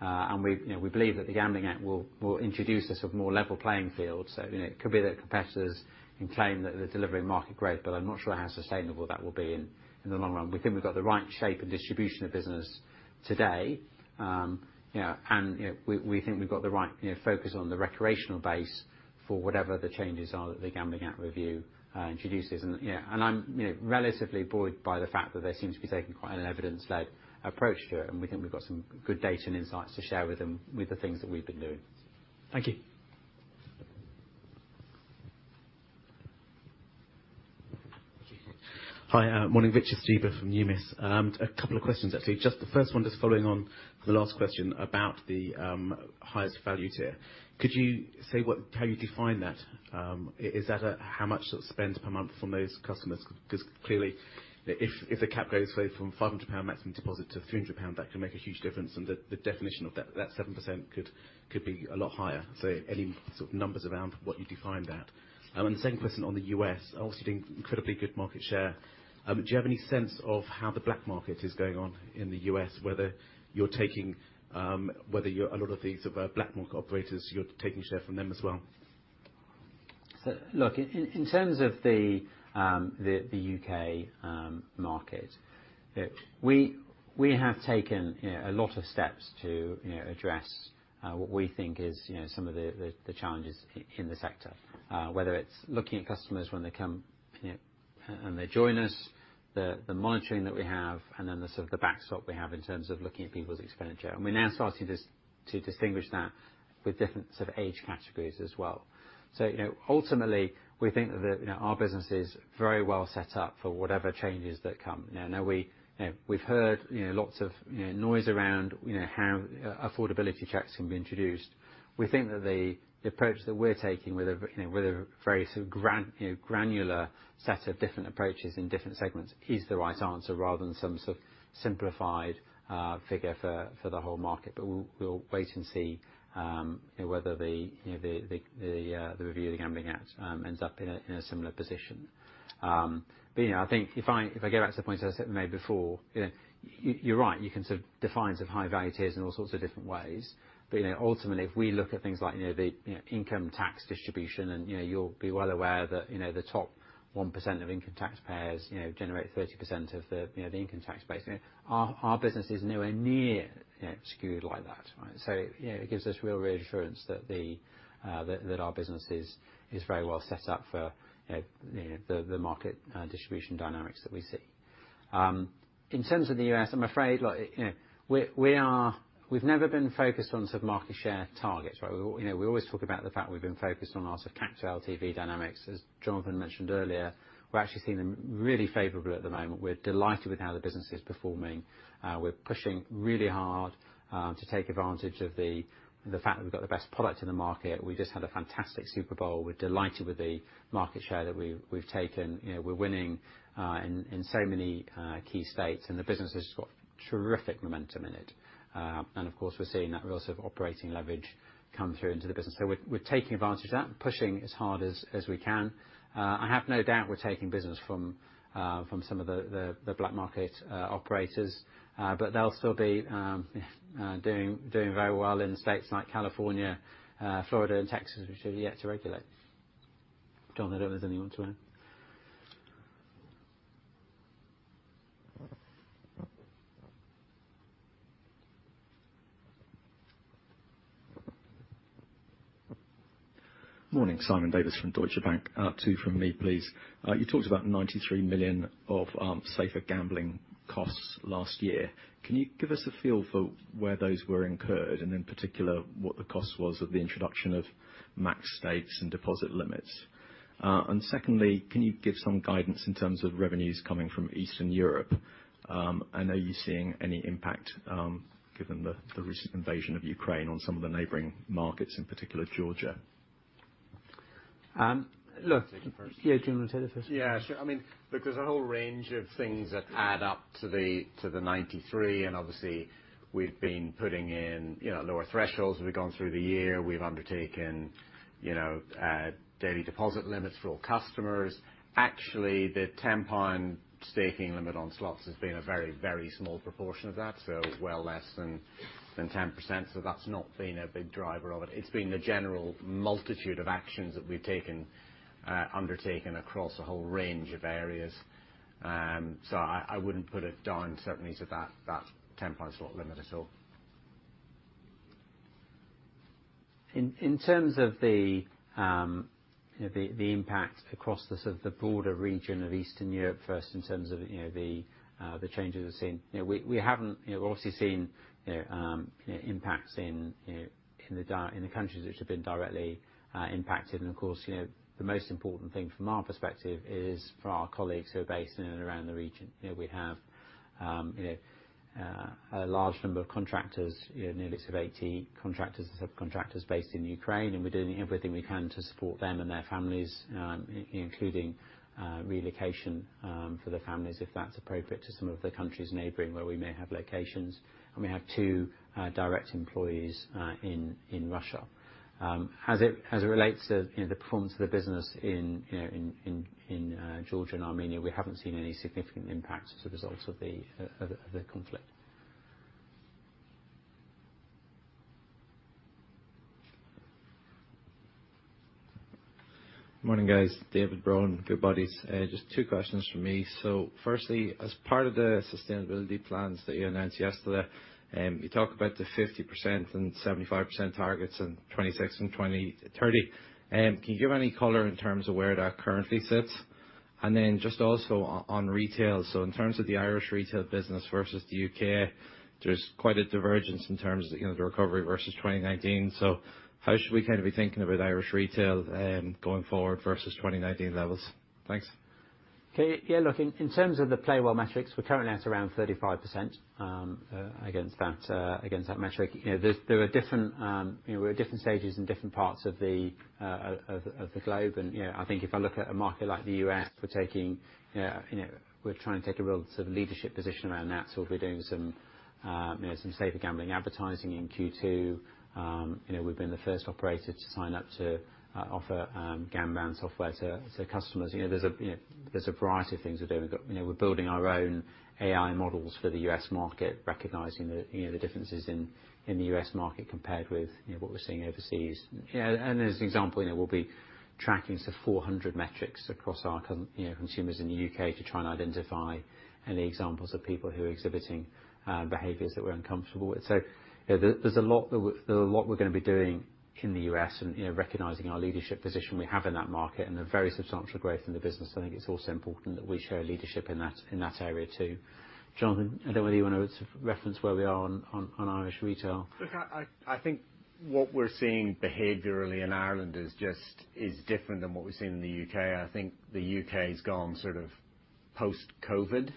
changes. We, you know, we believe that the Gambling Act will introduce a sort of more level playing field. You know, it could be that competitors can claim that they're delivering market growth, but I'm not sure how sustainable that will be in the long run. We think we've got the right shape and distribution of business today. You know, you know, we think we've got the right, you know, focus on the recreational base for whatever the changes are that the Gambling Act review introduces. I'm, you know, relatively buoyed by the fact that they seem to be taking quite an evidence-led approach to it, and we think we've got some good data and insights to share with them, with the things that we've been doing. Thank you. Hi, morning. Richard Stuber from Numis. A couple of questions actually. Just the first one, just following on the last question about the highest value tier. Could you say how you define that? Is that how much sort of spend per month from those customers? 'Cause clearly if the cap goes from 500 pound maximum deposit to 300 pound, that can make a huge difference, and the definition of that 7% could be a lot higher. So any sort of numbers around what you define that. And the second question on the US, obviously doing incredibly good market share, do you have any sense of how the black market is going on in the US? Whether you're taking a lot of these sort of black market operators, you're taking share from them as well. Look, in terms of the U.K. market, we have taken you know a lot of steps to you know address what we think is you know some of the challenges in the sector. Whether it's looking at customers when they come, you know, and they join us, the monitoring that we have, and then the sort of backstop we have in terms of looking at people's expenditure. We're now starting to distinguish that with different sort of age categories as well. Ultimately, we think that you know our business is very well set up for whatever changes that come. I know we you know we've heard you know lots of you know noise around you know how affordability checks can be introduced. We think that the approach that we're taking with a very sort of granular set of different approaches in different segments is the right answer, rather than some sort of simplified figure for the whole market. We'll wait and see whether the review of the Gambling Act ends up in a similar position. I think if I go back to the point I certainly made before, you know, you're right, you can sort of define sort of high value tiers in all sorts of different ways. You know, ultimately, if we look at things like you know, the income tax distribution and you know, you'll be well aware that you know, the top 1% of income taxpayers you know, generate 30% of the income tax base. You know, our business is nowhere near you know, skewed like that, right? You know, it gives us real reassurance that our business is very well set up for you know, the market distribution dynamics that we see. In terms of the U.S., I'm afraid, like you know, we've never been focused on sort of market share targets, right? You know, we always talk about the fact we've been focused on our sort of capture LTV dynamics. As Jonathan mentioned earlier, we're actually seeing them really favorably at the moment. We're delighted with how the business is performing. We're pushing really hard to take advantage of the fact that we've got the best product in the market. We just had a fantastic Super Bowl. We're delighted with the market share that we've taken. You know, we're winning in so many key states, and the business has got terrific momentum in it. Of course, we're seeing that real sort of operating leverage come through into the business. We're taking advantage of that and pushing as hard as we can. I have no doubt we're taking business from some of the black market operators, but they'll still be doing very well in states like California, Florida and Texas, which are yet to regulate. Jonathan, I don't know if there's anything you want to add. Morning, Simon Davies from Deutsche Bank. Two from me, please. You talked about 93 million of safer gambling costs last year. Can you give us a feel for where those were incurred and in particular, what the cost was of the introduction of max stakes and deposit limits? Secondly, can you give some guidance in terms of revenues coming from Eastern Europe? Are you seeing any impact, given the recent invasion of Ukraine on some of the neighboring markets, in particular Georgia? Um, look- Do you want to take it first? Yeah. Do you want me to take it first? Yeah, sure. I mean, look, there's a whole range of things that add up to the 93, and obviously we've been putting in, you know, lower thresholds as we've gone through the year. We've undertaken, you know, daily deposit limits for all customers. Actually, the 10 pound staking limit on slots has been a very, very small proportion of that, so well less than 10%. That's not been a big driver of it. It's been the general multitude of actions that we've undertaken across a whole range of areas. I wouldn't put it down certainly to that 10 pound slot limit at all. In terms of the impact across the broader region of Eastern Europe, first in terms of the changes we're seeing. You know, we haven't obviously seen impacts in the countries which have been directly impacted and of course, you know, the most important thing from our perspective is for our colleagues who are based in and around the region. You know, we have a large number of contractors, you know, in excess of 80 contractors and subcontractors based in Ukraine, and we're doing everything we can to support them and their families, including relocation for the families if that's appropriate to some of the countries neighboring where we may have locations. We have two direct employees in Russia. As it relates to, you know, the performance of the business in, you know, Georgia and Armenia, we haven't seen any significant impact as a result of the conflict. Morning, guys. David Brown, Goodbody. Just two questions from me. Firstly, as part of the sustainability plans that you announced yesterday, you talk about the 50% and 75% targets in 2026 and 2030. Can you give any color in terms of where that currently sits? And then just also on retail. In terms of the Irish retail business versus the U.K., there's quite a divergence in terms of, you know, the recovery versus 2019. How should we kind of be thinking about Irish retail going forward versus 2019 levels? Thanks. Okay. Yeah, look, in terms of the Play Well metrics, we're currently at around 35%, against that metric. You know, there are different stages in different parts of the globe. You know, I think if I look at a market like the U.S., we're trying to take a real sort of leadership position around that. We'll be doing some safer gambling advertising in Q2. You know, we've been the first operator to sign up to offer Gamban software to customers. You know, there's a variety of things we're doing. We've got you know, we're building our own AI models for the U.S. market, recognizing the, you know, the differences in the U.S. market compared with, you know, what we're seeing overseas. Yeah, and as an example, you know, we'll be tracking some 400 metrics across our consumers in the U.K. to try and identify any examples of people who are exhibiting behaviors that we're uncomfortable with. So, you know, there's a lot we're gonna be doing in the U.S. and, you know, recognizing our leadership position we have in that market and the very substantial growth in the business. I think it's also important that we show leadership in that, in that area too. Jonathan, I don't know whether you wanna sort of reference where we are on Irish retail. Look, I think what we're seeing behaviorally in Ireland is just different than what we're seeing in the U.K. I think the U.K.'s gone sort of post-COVID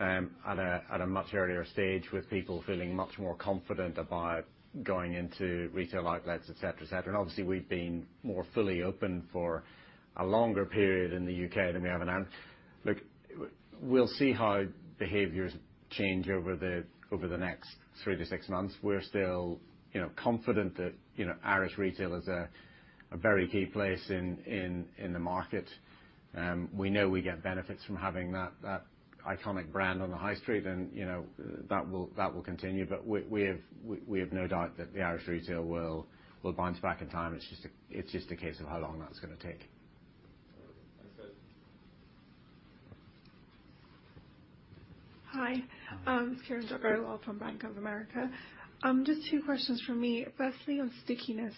at a much earlier stage with people feeling much more confident about going into retail outlets, et cetera, et cetera. Obviously, we've been more fully open for a longer period in the U.K. than we have in Ireland. Look, we'll see how behaviors change over the next three to six months. We're still, you know, confident that, you know, Irish retail is a very key place in the market. We know we get benefits from having that iconic brand on the high street and, you know, that will continue. We have no doubt that the Irish retail will bounce back in time. It's just a case of how long that's gonna take. Thanks, guys. Hi. Hi. It's Kiranjot Garcha from Bank of America. Just two questions from me. Firstly, on stickiness,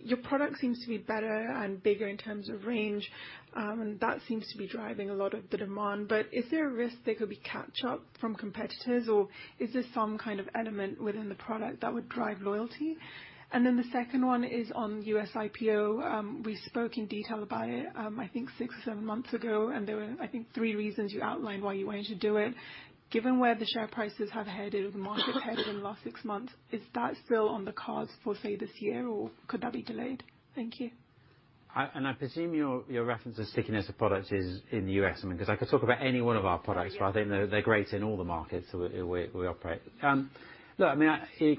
your product seems to be better and bigger in terms of range, and that seems to be driving a lot of the demand. Is there a risk there could be catch up from competitors, or is there some kind of element within the product that would drive loyalty? The second one is on U.S. IPO. We spoke in detail about it, I think six or seven months ago, and there were, I think, three reasons you outlined why you wanted to do it. Given where the share prices have headed and the market headed in the last six months, is that still on the cards for, say, this year, or could that be delayed? Thank you. I presume your reference to stickiness of product is in the U.S. I mean, 'cause I could talk about any one of our products. Yeah I think they're great in all the markets we operate. Look, I mean, you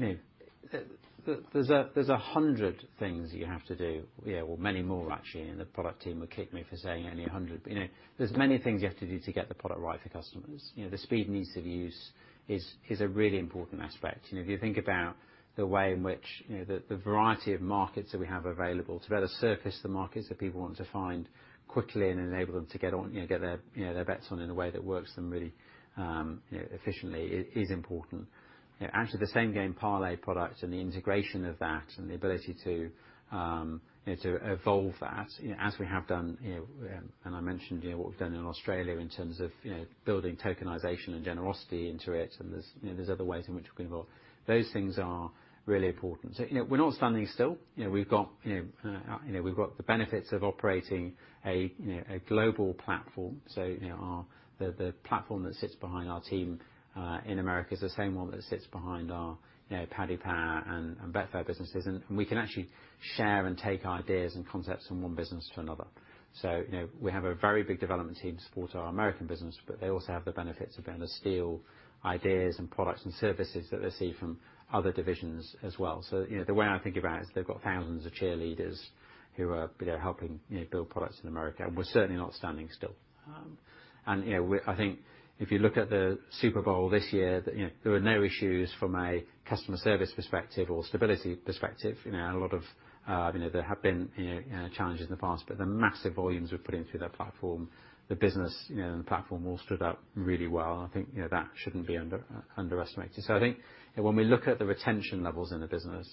know, there's 100 things that you have to do, you know, or many more actually, and the product team would kick me for saying only 100. You know, there's many things you have to do to get the product right for customers. You know, the speed and ease of use is a really important aspect. You know, if you think about the way in which, you know, the variety of markets that we have available to better surface the markets that people want to find quickly and enable them to get on, get their bets on in a way that works for them really, you know, efficiently is important. You know, actually the Same Game Parlay product and the integration of that and the ability to, you know, to evolve that, you know, as we have done, you know, and I mentioned, you know, what we've done in Australia in terms of, you know, building tokenization and generosity into it. There's, you know, other ways in which we can evolve. Those things are really important. You know, we're not standing still. You know, we've got the benefits of operating a, you know, a global platform. Our platform that sits behind our team in America is the same one that sits behind our, you know, Paddy Power and Betfair businesses. We can actually share and take ideas and concepts from one business to another. You know, we have a very big development team to support our American business, but they also have the benefits of being able to steal ideas and products and services that they see from other divisions as well. You know, the way I think about it is they've got thousands of cheerleaders who are, you know, helping, you know, build products in America, and we're certainly not standing still. I think if you look at the Super Bowl this year, you know, there were no issues from a customer service perspective or stability perspective. You know, there have been challenges in the past, but the massive volumes we're putting through that platform, the business, you know, and the platform all stood up really well. I think, you know, that shouldn't be underestimated. I think, you know, when we look at the retention levels in the business,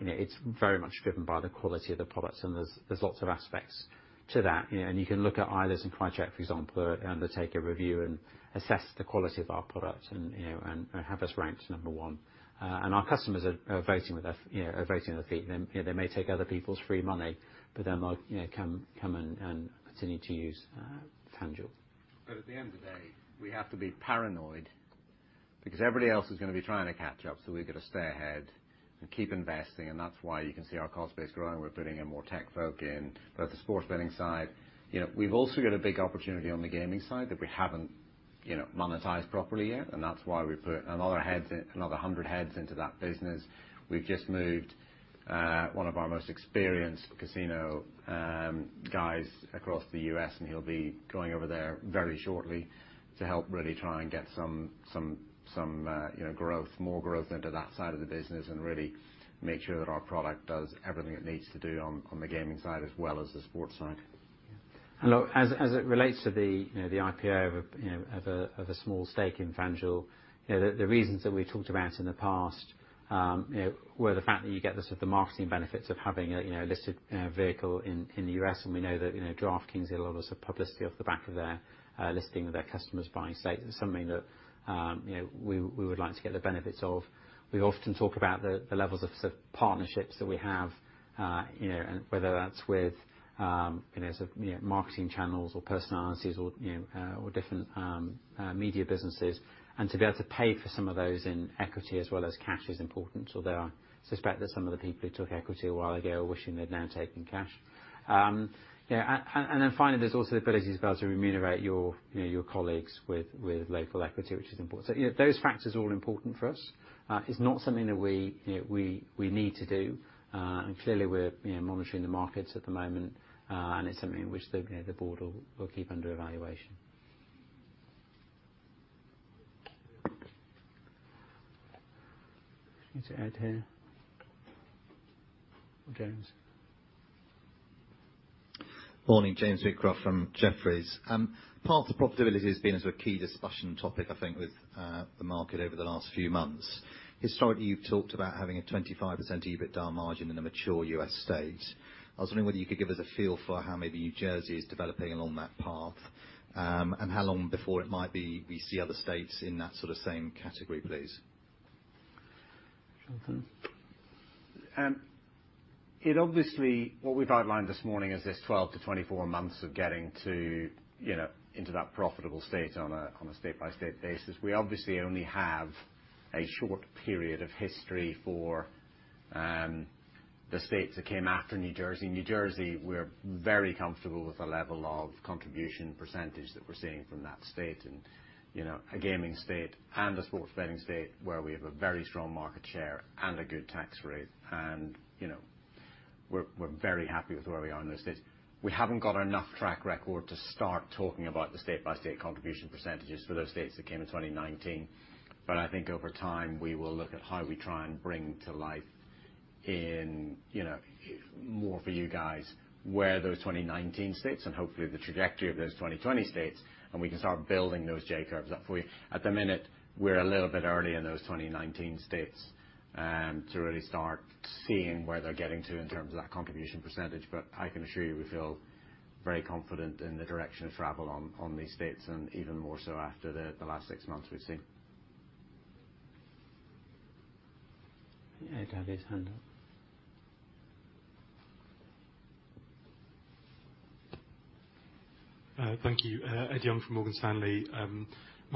you know, it's very much driven by the quality of the products and there's lots of aspects to that. You know, and you can look at Eilers & Krejcik, for example, undertake a review and assess the quality of our product and, you know, and have us ranked number one. And our customers are voting with us, you know, voting with their feet. You know, they may take other people's free money, but they might, you know, come and continue to use FanDuel. At the end of the day, we have to be paranoid. Because everybody else is going to be trying to catch up, so we've got to stay ahead and keep investing, and that's why you can see our cost base growing. We're putting in more tech folk in, both the sports betting side. You know, we've also got a big opportunity on the gaming side that we haven't, you know, monetized properly yet, and that's why we put another 100 heads into that business. We've just moved one of our most experienced casino guys across the U.S., and he'll be going over there very shortly to help really try and get some you know growth, more growth into that side of the business and really make sure that our product does everything it needs to do on the gaming side as well as the sports side. Look, as it relates to the IPO of a small stake in FanDuel, you know, the reasons that we talked about in the past were the fact that you get the sort of marketing benefits of having a listed vehicle in the U.S. We know that DraftKings had a lot of sort of publicity off the back of their listing with their customers buying stakes. It's something that we would like to get the benefits of. We often talk about the levels of sort of partnerships that we have, you know, and whether that's with sort of marketing channels or personalities or different media businesses. To be able to pay for some of those in equity as well as cash is important. Although I suspect that some of the people who took equity a while ago are wishing they'd now taken cash. Then finally, there's also the ability to remunerate your colleagues with local equity, which is important. You know, those factors are all important for us. It's not something that we need to do. You know, we need to do. Clearly we're monitoring the markets at the moment, and it's something which the board will keep under evaluation. Anything to add here? James. Morning, James Wheatcroft from Jefferies. Path to profitability has been a sort of key discussion topic, I think, with the market over the last few months. Historically, you've talked about having a 25% EBITDA margin in a mature U.S. state. I was wondering whether you could give us a feel for how maybe New Jersey is developing along that path, and how long before it might be we see other states in that sort of same category, please. Jonathan. What we've outlined this morning is this 12-24 months of getting to, you know, into that profitable state on a state-by-state basis. We obviously only have a short period of history for the states that came after New Jersey. New Jersey, we're very comfortable with the level of contribution percentage that we're seeing from that state and, you know, a gaming state and a sports betting state where we have a very strong market share and a good tax rate and, you know, we're very happy with where we are in those states. We haven't got enough track record to start talking about the state-by-state contribution percentages for those states that came in 2019. I think over time, we will look at how we try and bring to life in, you know, more for you guys, where those 2019 states and hopefully the trajectory of those 2020 states and we can start building those J curves up for you. At the minute, we're a little bit early in those 2019 states, to really start seeing where they're getting to in terms of that contribution percentage. I can assure you, we feel very confident in the direction of travel on these states, and even more so after the last six months we've seen. I think Ed had his hand up. Ed Young from Morgan Stanley.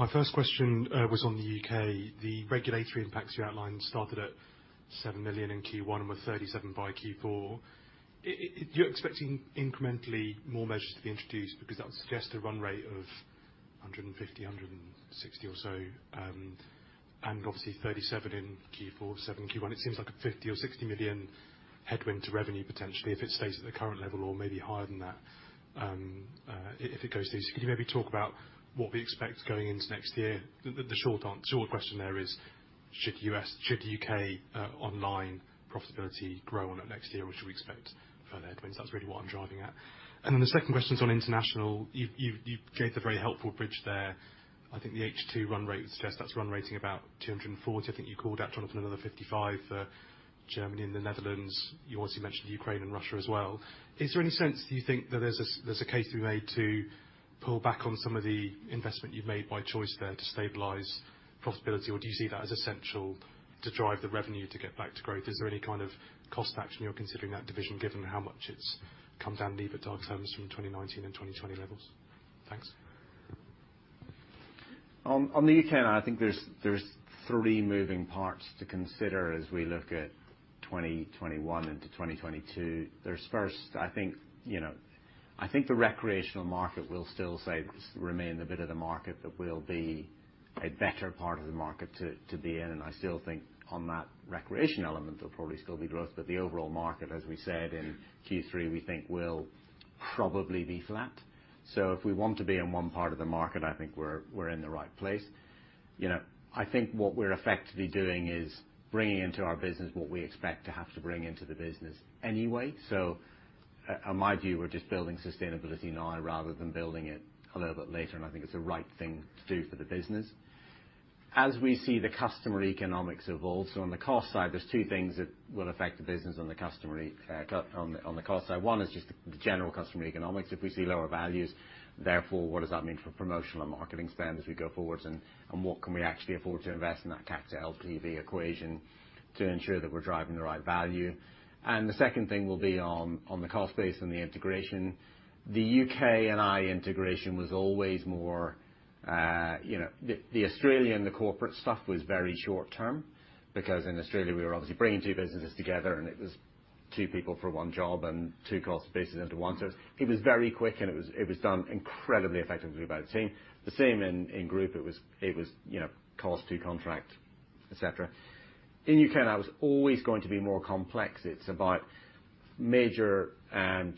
My first question was on the U.K. The regulatory impacts you outlined started at 7 million in Q1 and were 37 million by Q4. You're expecting incrementally more measures to be introduced because that would suggest a run rate of 150-160 or so, and obviously 37 million in Q4, 7 million in Q1. It seems like a 50 or 60 million headwind to revenue potentially if it stays at the current level or maybe higher than that, if it goes through. Could you maybe talk about what we expect going into next year? The short question there is should U.K. online profitability grow on it next year, or should we expect further headwinds? That's really what I'm driving at. The second question's on international. You've gave the very helpful bridge there. I think the H2 run rate would suggest that's run rating about 240. I think you called out, Jonathan, another 55 for Germany and the Netherlands. You obviously mentioned Ukraine and Russia as well. Is there any sense that you think that there's a case to be made to pull back on some of the investment you've made by choice there to stabilize profitability, or do you see that as essential to drive the revenue to get back to growth? Is there any kind of cost action you're considering in that division given how much it's come down in EBITDA terms from 2019 and 2020 levels? Thanks. On the U.K. and I think there's three moving parts to consider as we look at 2021 into 2022. There's first, I think, you know, I think the recreational market will still remain the bit of the market that will be a better part of the market to be in. I still think on that recreational element, there'll probably still be growth. The overall market, as we said in Q3, we think will probably be flat. If we want to be in one part of the market, I think we're in the right place. You know, I think what we're effectively doing is bringing into our business what we expect to have to bring into the business anyway. In my view, we're just building sustainability now rather than building it a little bit later, and I think it's the right thing to do for the business. As we see the customer economics evolve, on the cost side, there's two things that will affect the business on the customer, on the cost side. One is just the general customer economics. If we see lower values, therefore, what does that mean for promotional and marketing spend as we go forward and what can we actually afford to invest in that CAC to LTV equation to ensure that we're driving the right value? The second thing will be on the cost base and the integration. The U.K. and Ireland integration was always more, you know... The Australia and the corporate stuff was very short term, because in Australia we were obviously bringing two businesses together, and it was two people for one job and two cost bases into one. It was very quick, and it was done incredibly effectively by the team. The same in group. It was, you know, cost to contract, et cetera. In U.K., that was always going to be more complex. It's about major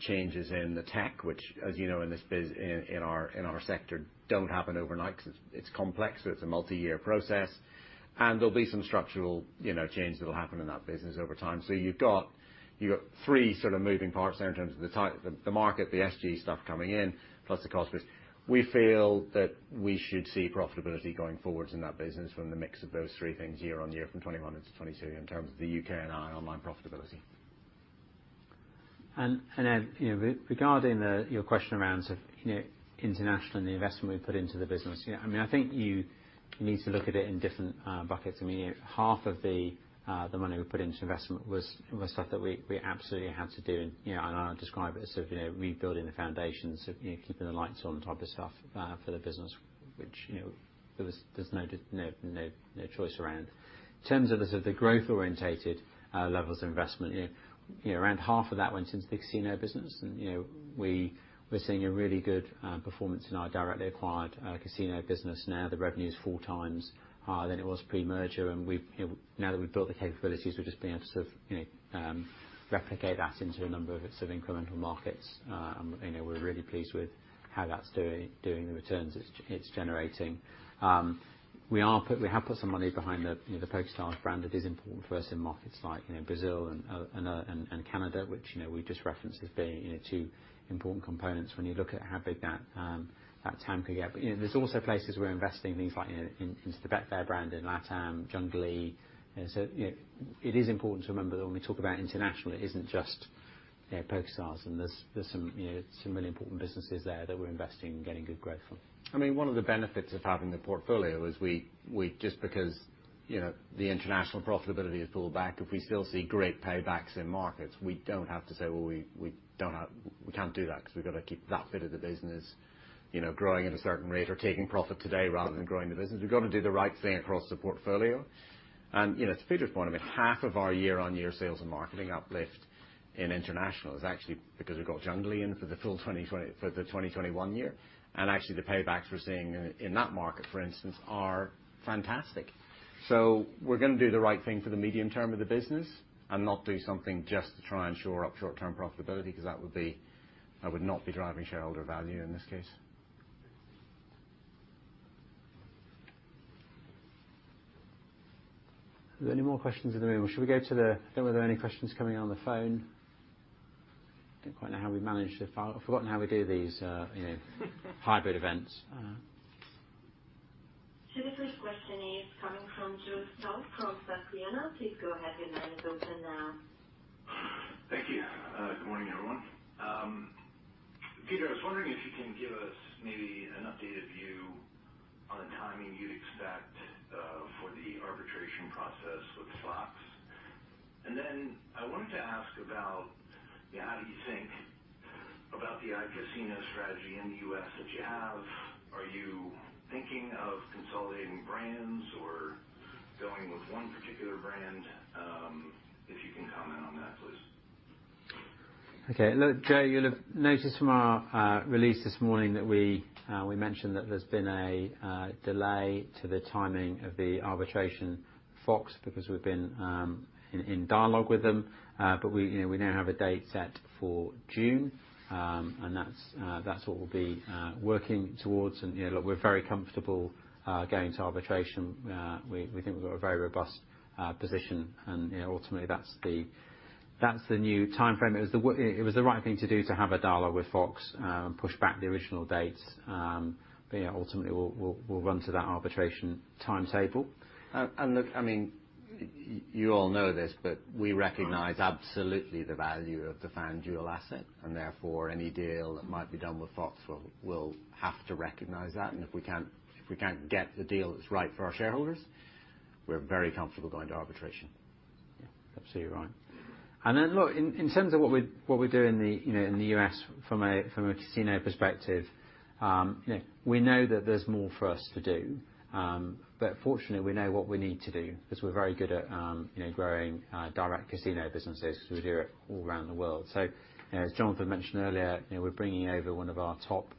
changes in the tech, which as you know, in this business in our sector don't happen overnight 'cause it's complex, so it's a multi-year process, and there'll be some structural, you know, changes that'll happen in that business over time. You've got three sort of moving parts there in terms of the type, the market, the SG stuff coming in, plus the cost base. We feel that we should see profitability going forward in that business from the mix of those three things year-over-year from 2021 into 2022 in terms of the UK and our online profitability. Ed, you know, regarding your question around sort of, you know, international and the investment we put into the business. Yeah, I mean, I think you need to look at it in different buckets. I mean, half of the money we put into investment was stuff that we absolutely had to do. I describe it as sort of, you know, rebuilding the foundations, you know, keeping the lights on type of stuff for the business, which there was no choice around. In terms of the sort of the growth-orientated levels of investment, you know, around half of that went into the casino business. You know, we're seeing a really good performance in our directly acquired casino business now. The revenue's four times higher than it was pre-merger, and we've, you know, now that we've built the capabilities, we've just been able to sort of, you know, replicate that into a number of sort of incremental markets. You know, we're really pleased with how that's doing, the returns it's generating. We have put some money behind the, you know, the PokerStars brand that is important for us in markets like, you know, Brazil and Canada, which, you know, we just referenced as being, you know, two important components when you look at how big that TAM could get. You know, there's also places we're investing in things like, you know, into the Betfair brand in LatAm, Junglee, and so, you know, it is important to remember that when we talk about international, it isn't just, you know, PokerStars, and there's some, you know, some really important businesses there that we're investing and getting good growth from. I mean, one of the benefits of having the portfolio is we just because, you know, the international profitability has pulled back, if we still see great paybacks in markets, we don't have to say, "Well, we can't do that 'cause we've gotta keep that bit of the business, you know, growing at a certain rate or taking profit today rather than growing the business." We've gotta do the right thing across the portfolio. You know, to Peter's point, I mean, half of our year-on-year sales and marketing uplift in international is actually because we got Junglee in for the full 2021 year. Actually, the paybacks we're seeing in that market, for instance, are fantastic. We're gonna do the right thing for the medium term of the business and not do something just to try and shore up short-term profitability, 'cause that would not be driving shareholder value in this case. Are there any more questions in the room, or should we go to the phone? Don't know whether there are any questions coming on the phone. Don't quite know how we manage the phone. I've forgotten how we do these, you know, hybrid events. The first question is coming from Joe Stauff from Susquehanna. Please go ahead, your line is open now. Thank you. Good morning, everyone. Peter, I was wondering if you can give us maybe an updated view on the timing you'd expect for the arbitration process with Fox. I wanted to ask about, you know, how do you think about the iCasino strategy in the U.S. that you have? Are you thinking of consolidating brands or going with one particular brand? If you can comment on that, please. Okay. Look, Joe, you'll have noticed from our release this morning that we mentioned that there's been a delay to the timing of the arbitration with Fox because we've been in dialogue with them. You know, we now have a date set for June. That's what we'll be working towards. Look, we're very comfortable going to arbitration. We think we've got a very robust position, and you know, ultimately, that's the new timeframe. It was the right thing to do, to have a dialogue with Fox, push back the original dates. You know, ultimately, we'll run to that arbitration timetable. Look, I mean, you all know this, but we recognize absolutely the value of the FanDuel asset, and therefore, any deal that might be done with Fox will have to recognize that. If we can't get the deal that's right for our shareholders, we're very comfortable going to arbitration. Yeah. Absolutely right. Look, in terms of what we do in the U.S. from a casino perspective, you know, we know that there's more for us to do. Fortunately, we know what we need to do 'cause we're very good at, you know, growing direct casino businesses 'cause we do it all around the world. You know, as Jonathan mentioned earlier, you know, we're bringing over one of our top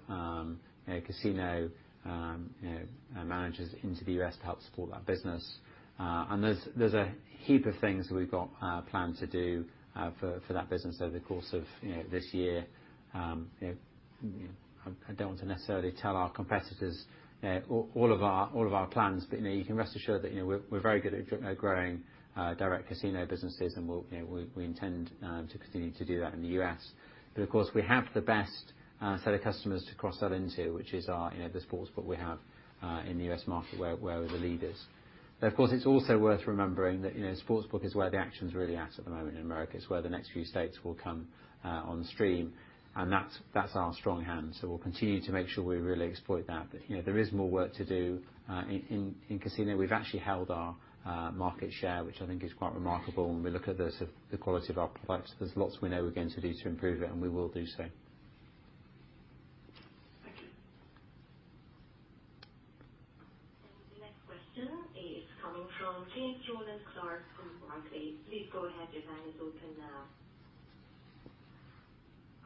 casino, you know, managers into the U.S. to help support that business. There's a heap of things that we've got planned to do for that business over the course of, you know, this year. You know, I don't want to necessarily tell our competitors all of our plans, but you know, you can rest assured that, you know, we're very good at growing direct casino businesses, and we'll, you know, we intend to continue to do that in the U.S. Of course, we have the best set of customers to cross-sell into, which is our, you know, the sportsbook we have in the U.S. market where we're the leaders. Of course, it's also worth remembering that, you know, sportsbook is where the action's really at at the moment in America. It's where the next few states will come on stream, and that's our strong hand. We'll continue to make sure we really exploit that. You know, there is more work to do in casino. We've actually held our market share, which I think is quite remarkable, and we look at the quality of our products. There's lots we know we're going to do to improve it, and we will do so. Next question is coming from James Rowland Clark from Barclays. Please go ahead. Your line is open now.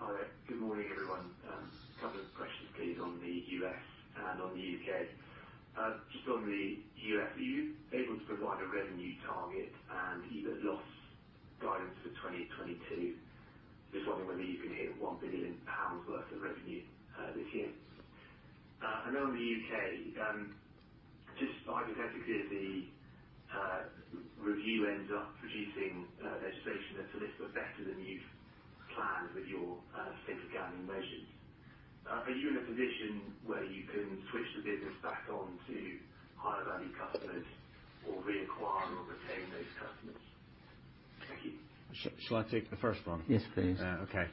Hi there. Good morning, everyone. Couple of questions please on the U.S. and on the U.K. Just on the U.S., are you able to provide a revenue target and either loss guidance for 2022, just wondering whether you can hit 1 billion pounds worth of revenue this year. On the U.K., just hypothetically, if the review ends up producing legislation that's a little bit better than you've planned with your safer gaming measures. Are you in a position where you can switch the business back on to higher value customers or reacquire or retain those customers? Thank you. Shall I take the first one? Yes, please. Okay.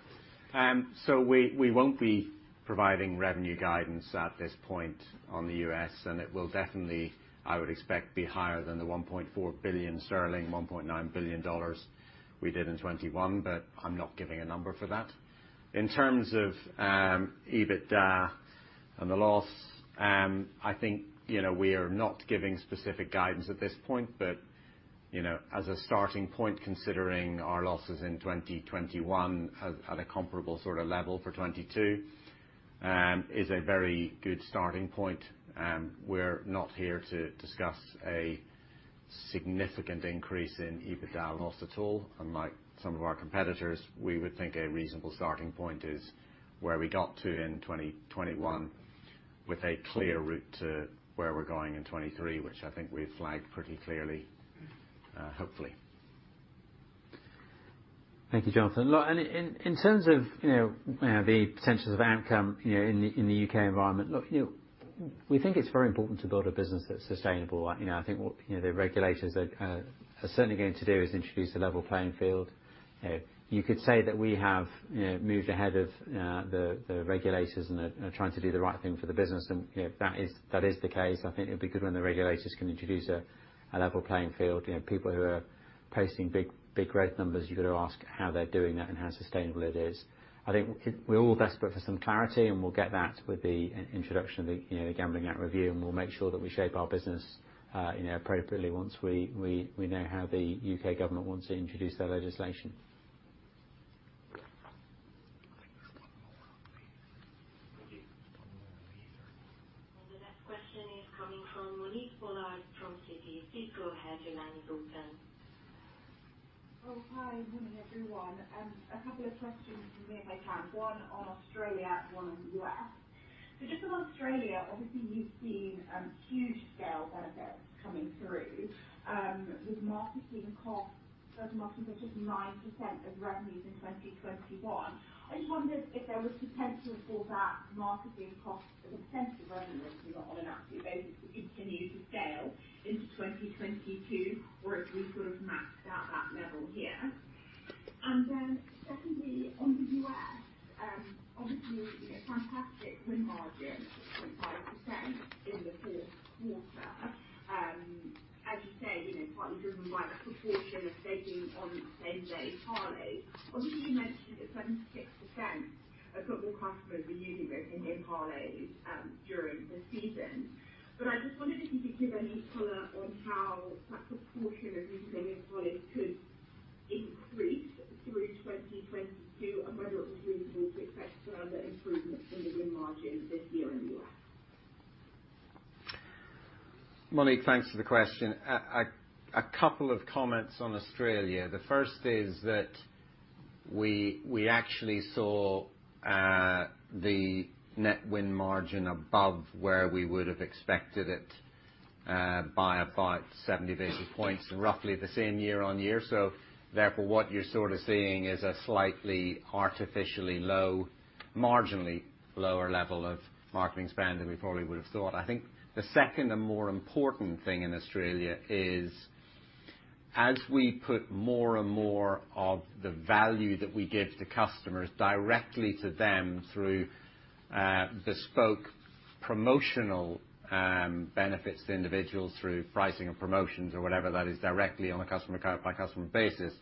We won't be providing revenue guidance at this point on the U.S. and it will definitely, I would expect, be higher than the 1.4 billion sterling, $1.9 billion we did in 2021, but I'm not giving a number for that. In terms of EBITDA and the loss, I think, you know, we are not giving specific guidance at this point, but, you know, as a starting point, considering our losses in 2021 at a comparable sort of level for 2022, is a very good starting point. We're not here to discuss a significant increase in EBITDA loss at all. Unlike some of our competitors, we would think a reasonable starting point is where we got to in 2021 with a clear route to where we're going in 2023, which I think we've flagged pretty clearly, hopefully. Thank you, Jonathan. Look, in terms of, you know, the potential outcome, you know, in the U.K. environment. Look, you know, we think it's very important to build a business that's sustainable. You know, I think what, you know, the regulators are certainly going to do is introduce a level playing field. You know, you could say that we have, you know, moved ahead of the regulators and are trying to do the right thing for the business, and, you know, that is the case. I think it'll be good when the regulators can introduce a level playing field. You know, people who are posting big red numbers, you've got to ask how they're doing that and how sustainable it is. I think we're all desperate for some clarity, and we'll get that with the introduction of the, you know, the Gambling Act review, and we'll make sure that we shape our business, you know, appropriately once we know how the U.K. government wants to introduce their legislation. I think there's one more please. The next question is coming from Monique Pollard from Citi. Please go ahead. Your line is open. Oh, hi. Good morning, everyone. A couple of questions from me, if I can. One on Australia, one on the U.S. Just on Australia, obviously you've seen huge scale benefits coming through with marketing costs as a percentage of just 9% of revenues in 2021. I just wondered if there was potential for that marketing cost as a percent of revenue, if not on an absolute basis, to continue to scale into 2022, or if we sort of maxed out that level here. Secondly, on the U.S., obviously a fantastic win margin of 0.5% in the fourth quarter. As you say, you know, partly driven by the proportion of staking on Same Game Parlays. Obviously, you mentioned that 76% of football customers were using this and in parlays during the season. I just wondered if you could give any color on how that proportion of using in parlays could increase through 2022 and whether it was reasonable to expect further improvements in the win margin this year in the U.S. Monique, thanks for the question. A couple of comments on Australia. The first is that we actually saw the net win margin above where we would have expected it by about 70 basis points, roughly the same year-on-year. Therefore, what you're sort of seeing is a slightly artificially low, marginally lower level of marketing spend than we probably would have thought. I think the second and more important thing in Australia is as we put more and more of the value that we give to customers directly to them through bespoke promotional benefits to individuals through pricing and promotions or whatever that is directly on a customer-by-customer basis,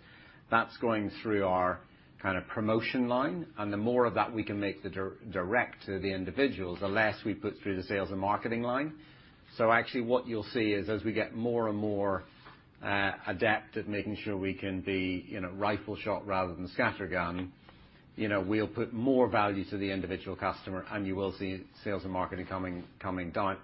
that's going through our kind of promotion line. The more of that we can make the direct to the individuals, the less we put through the sales and marketing line. Actually what you'll see is as we get more and more adept at making sure we can be, you know, rifle shot rather than scattergun, you know, we'll put more value to the individual customer and you will see sales and marketing coming down.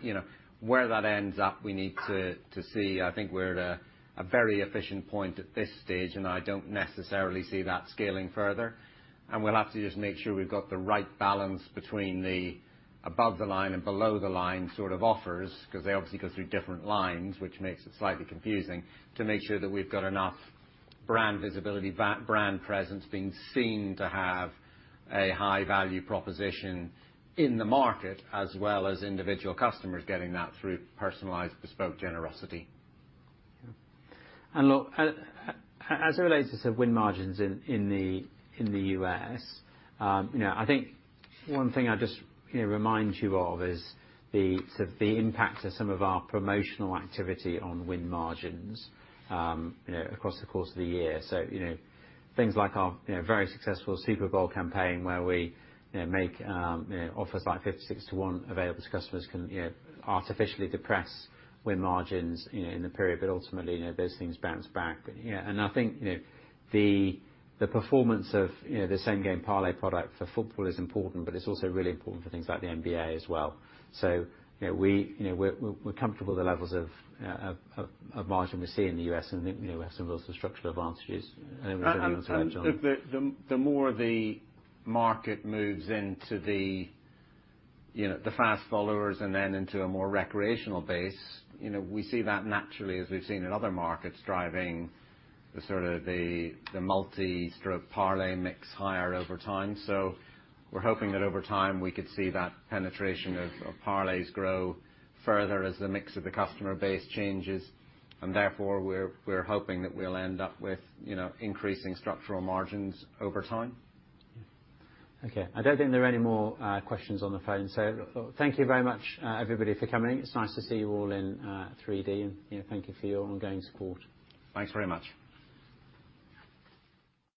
You know, where that ends up, we need to see. I think we're at a very efficient point at this stage, and I don't necessarily see that scaling further. We'll have to just make sure we've got the right balance between the above the line and below the line sort of offers, 'cause they obviously go through different lines, which makes it slightly confusing, to make sure that we've got enough brand visibility, brand presence being seen to have a high value proposition in the market, as well as individual customers getting that through personalized bespoke generosity. Look, as it relates to win margins in the U.S., you know, I think one thing I'd just you know remind you of is the sort of the impact of some of our promotional activity on win margins, you know, across the course of the year. You know, things like our you know very successful Super Bowl campaign where we you know make you know offers like 56-to-1 available to customers can you know artificially depress win margins in the period, but ultimately, you know, those things bounce back. Yeah, and I think you know the performance of you know the Same Game Parlay product for football is important, but it's also really important for things like the NBA as well. you know, we're comfortable with the levels of margin we see in the U.S., and you know, we have some of those structural advantages. Maybe you wanna comment, Jonathan. The more the market moves into the, you know, the fast followers and then into a more recreational base, you know, we see that naturally, as we've seen in other markets, driving the sort of multi parlay mix higher over time. We're hoping that over time we could see that penetration of parlays grow further as the mix of the customer base changes, and therefore we're hoping that we'll end up with, you know, increasing structural margins over time. Yeah. Okay. I don't think there are any more questions on the phone. Thank you very much, everybody for coming. It's nice to see you all in 3D and, you know, thank you for your ongoing support. Thanks very much.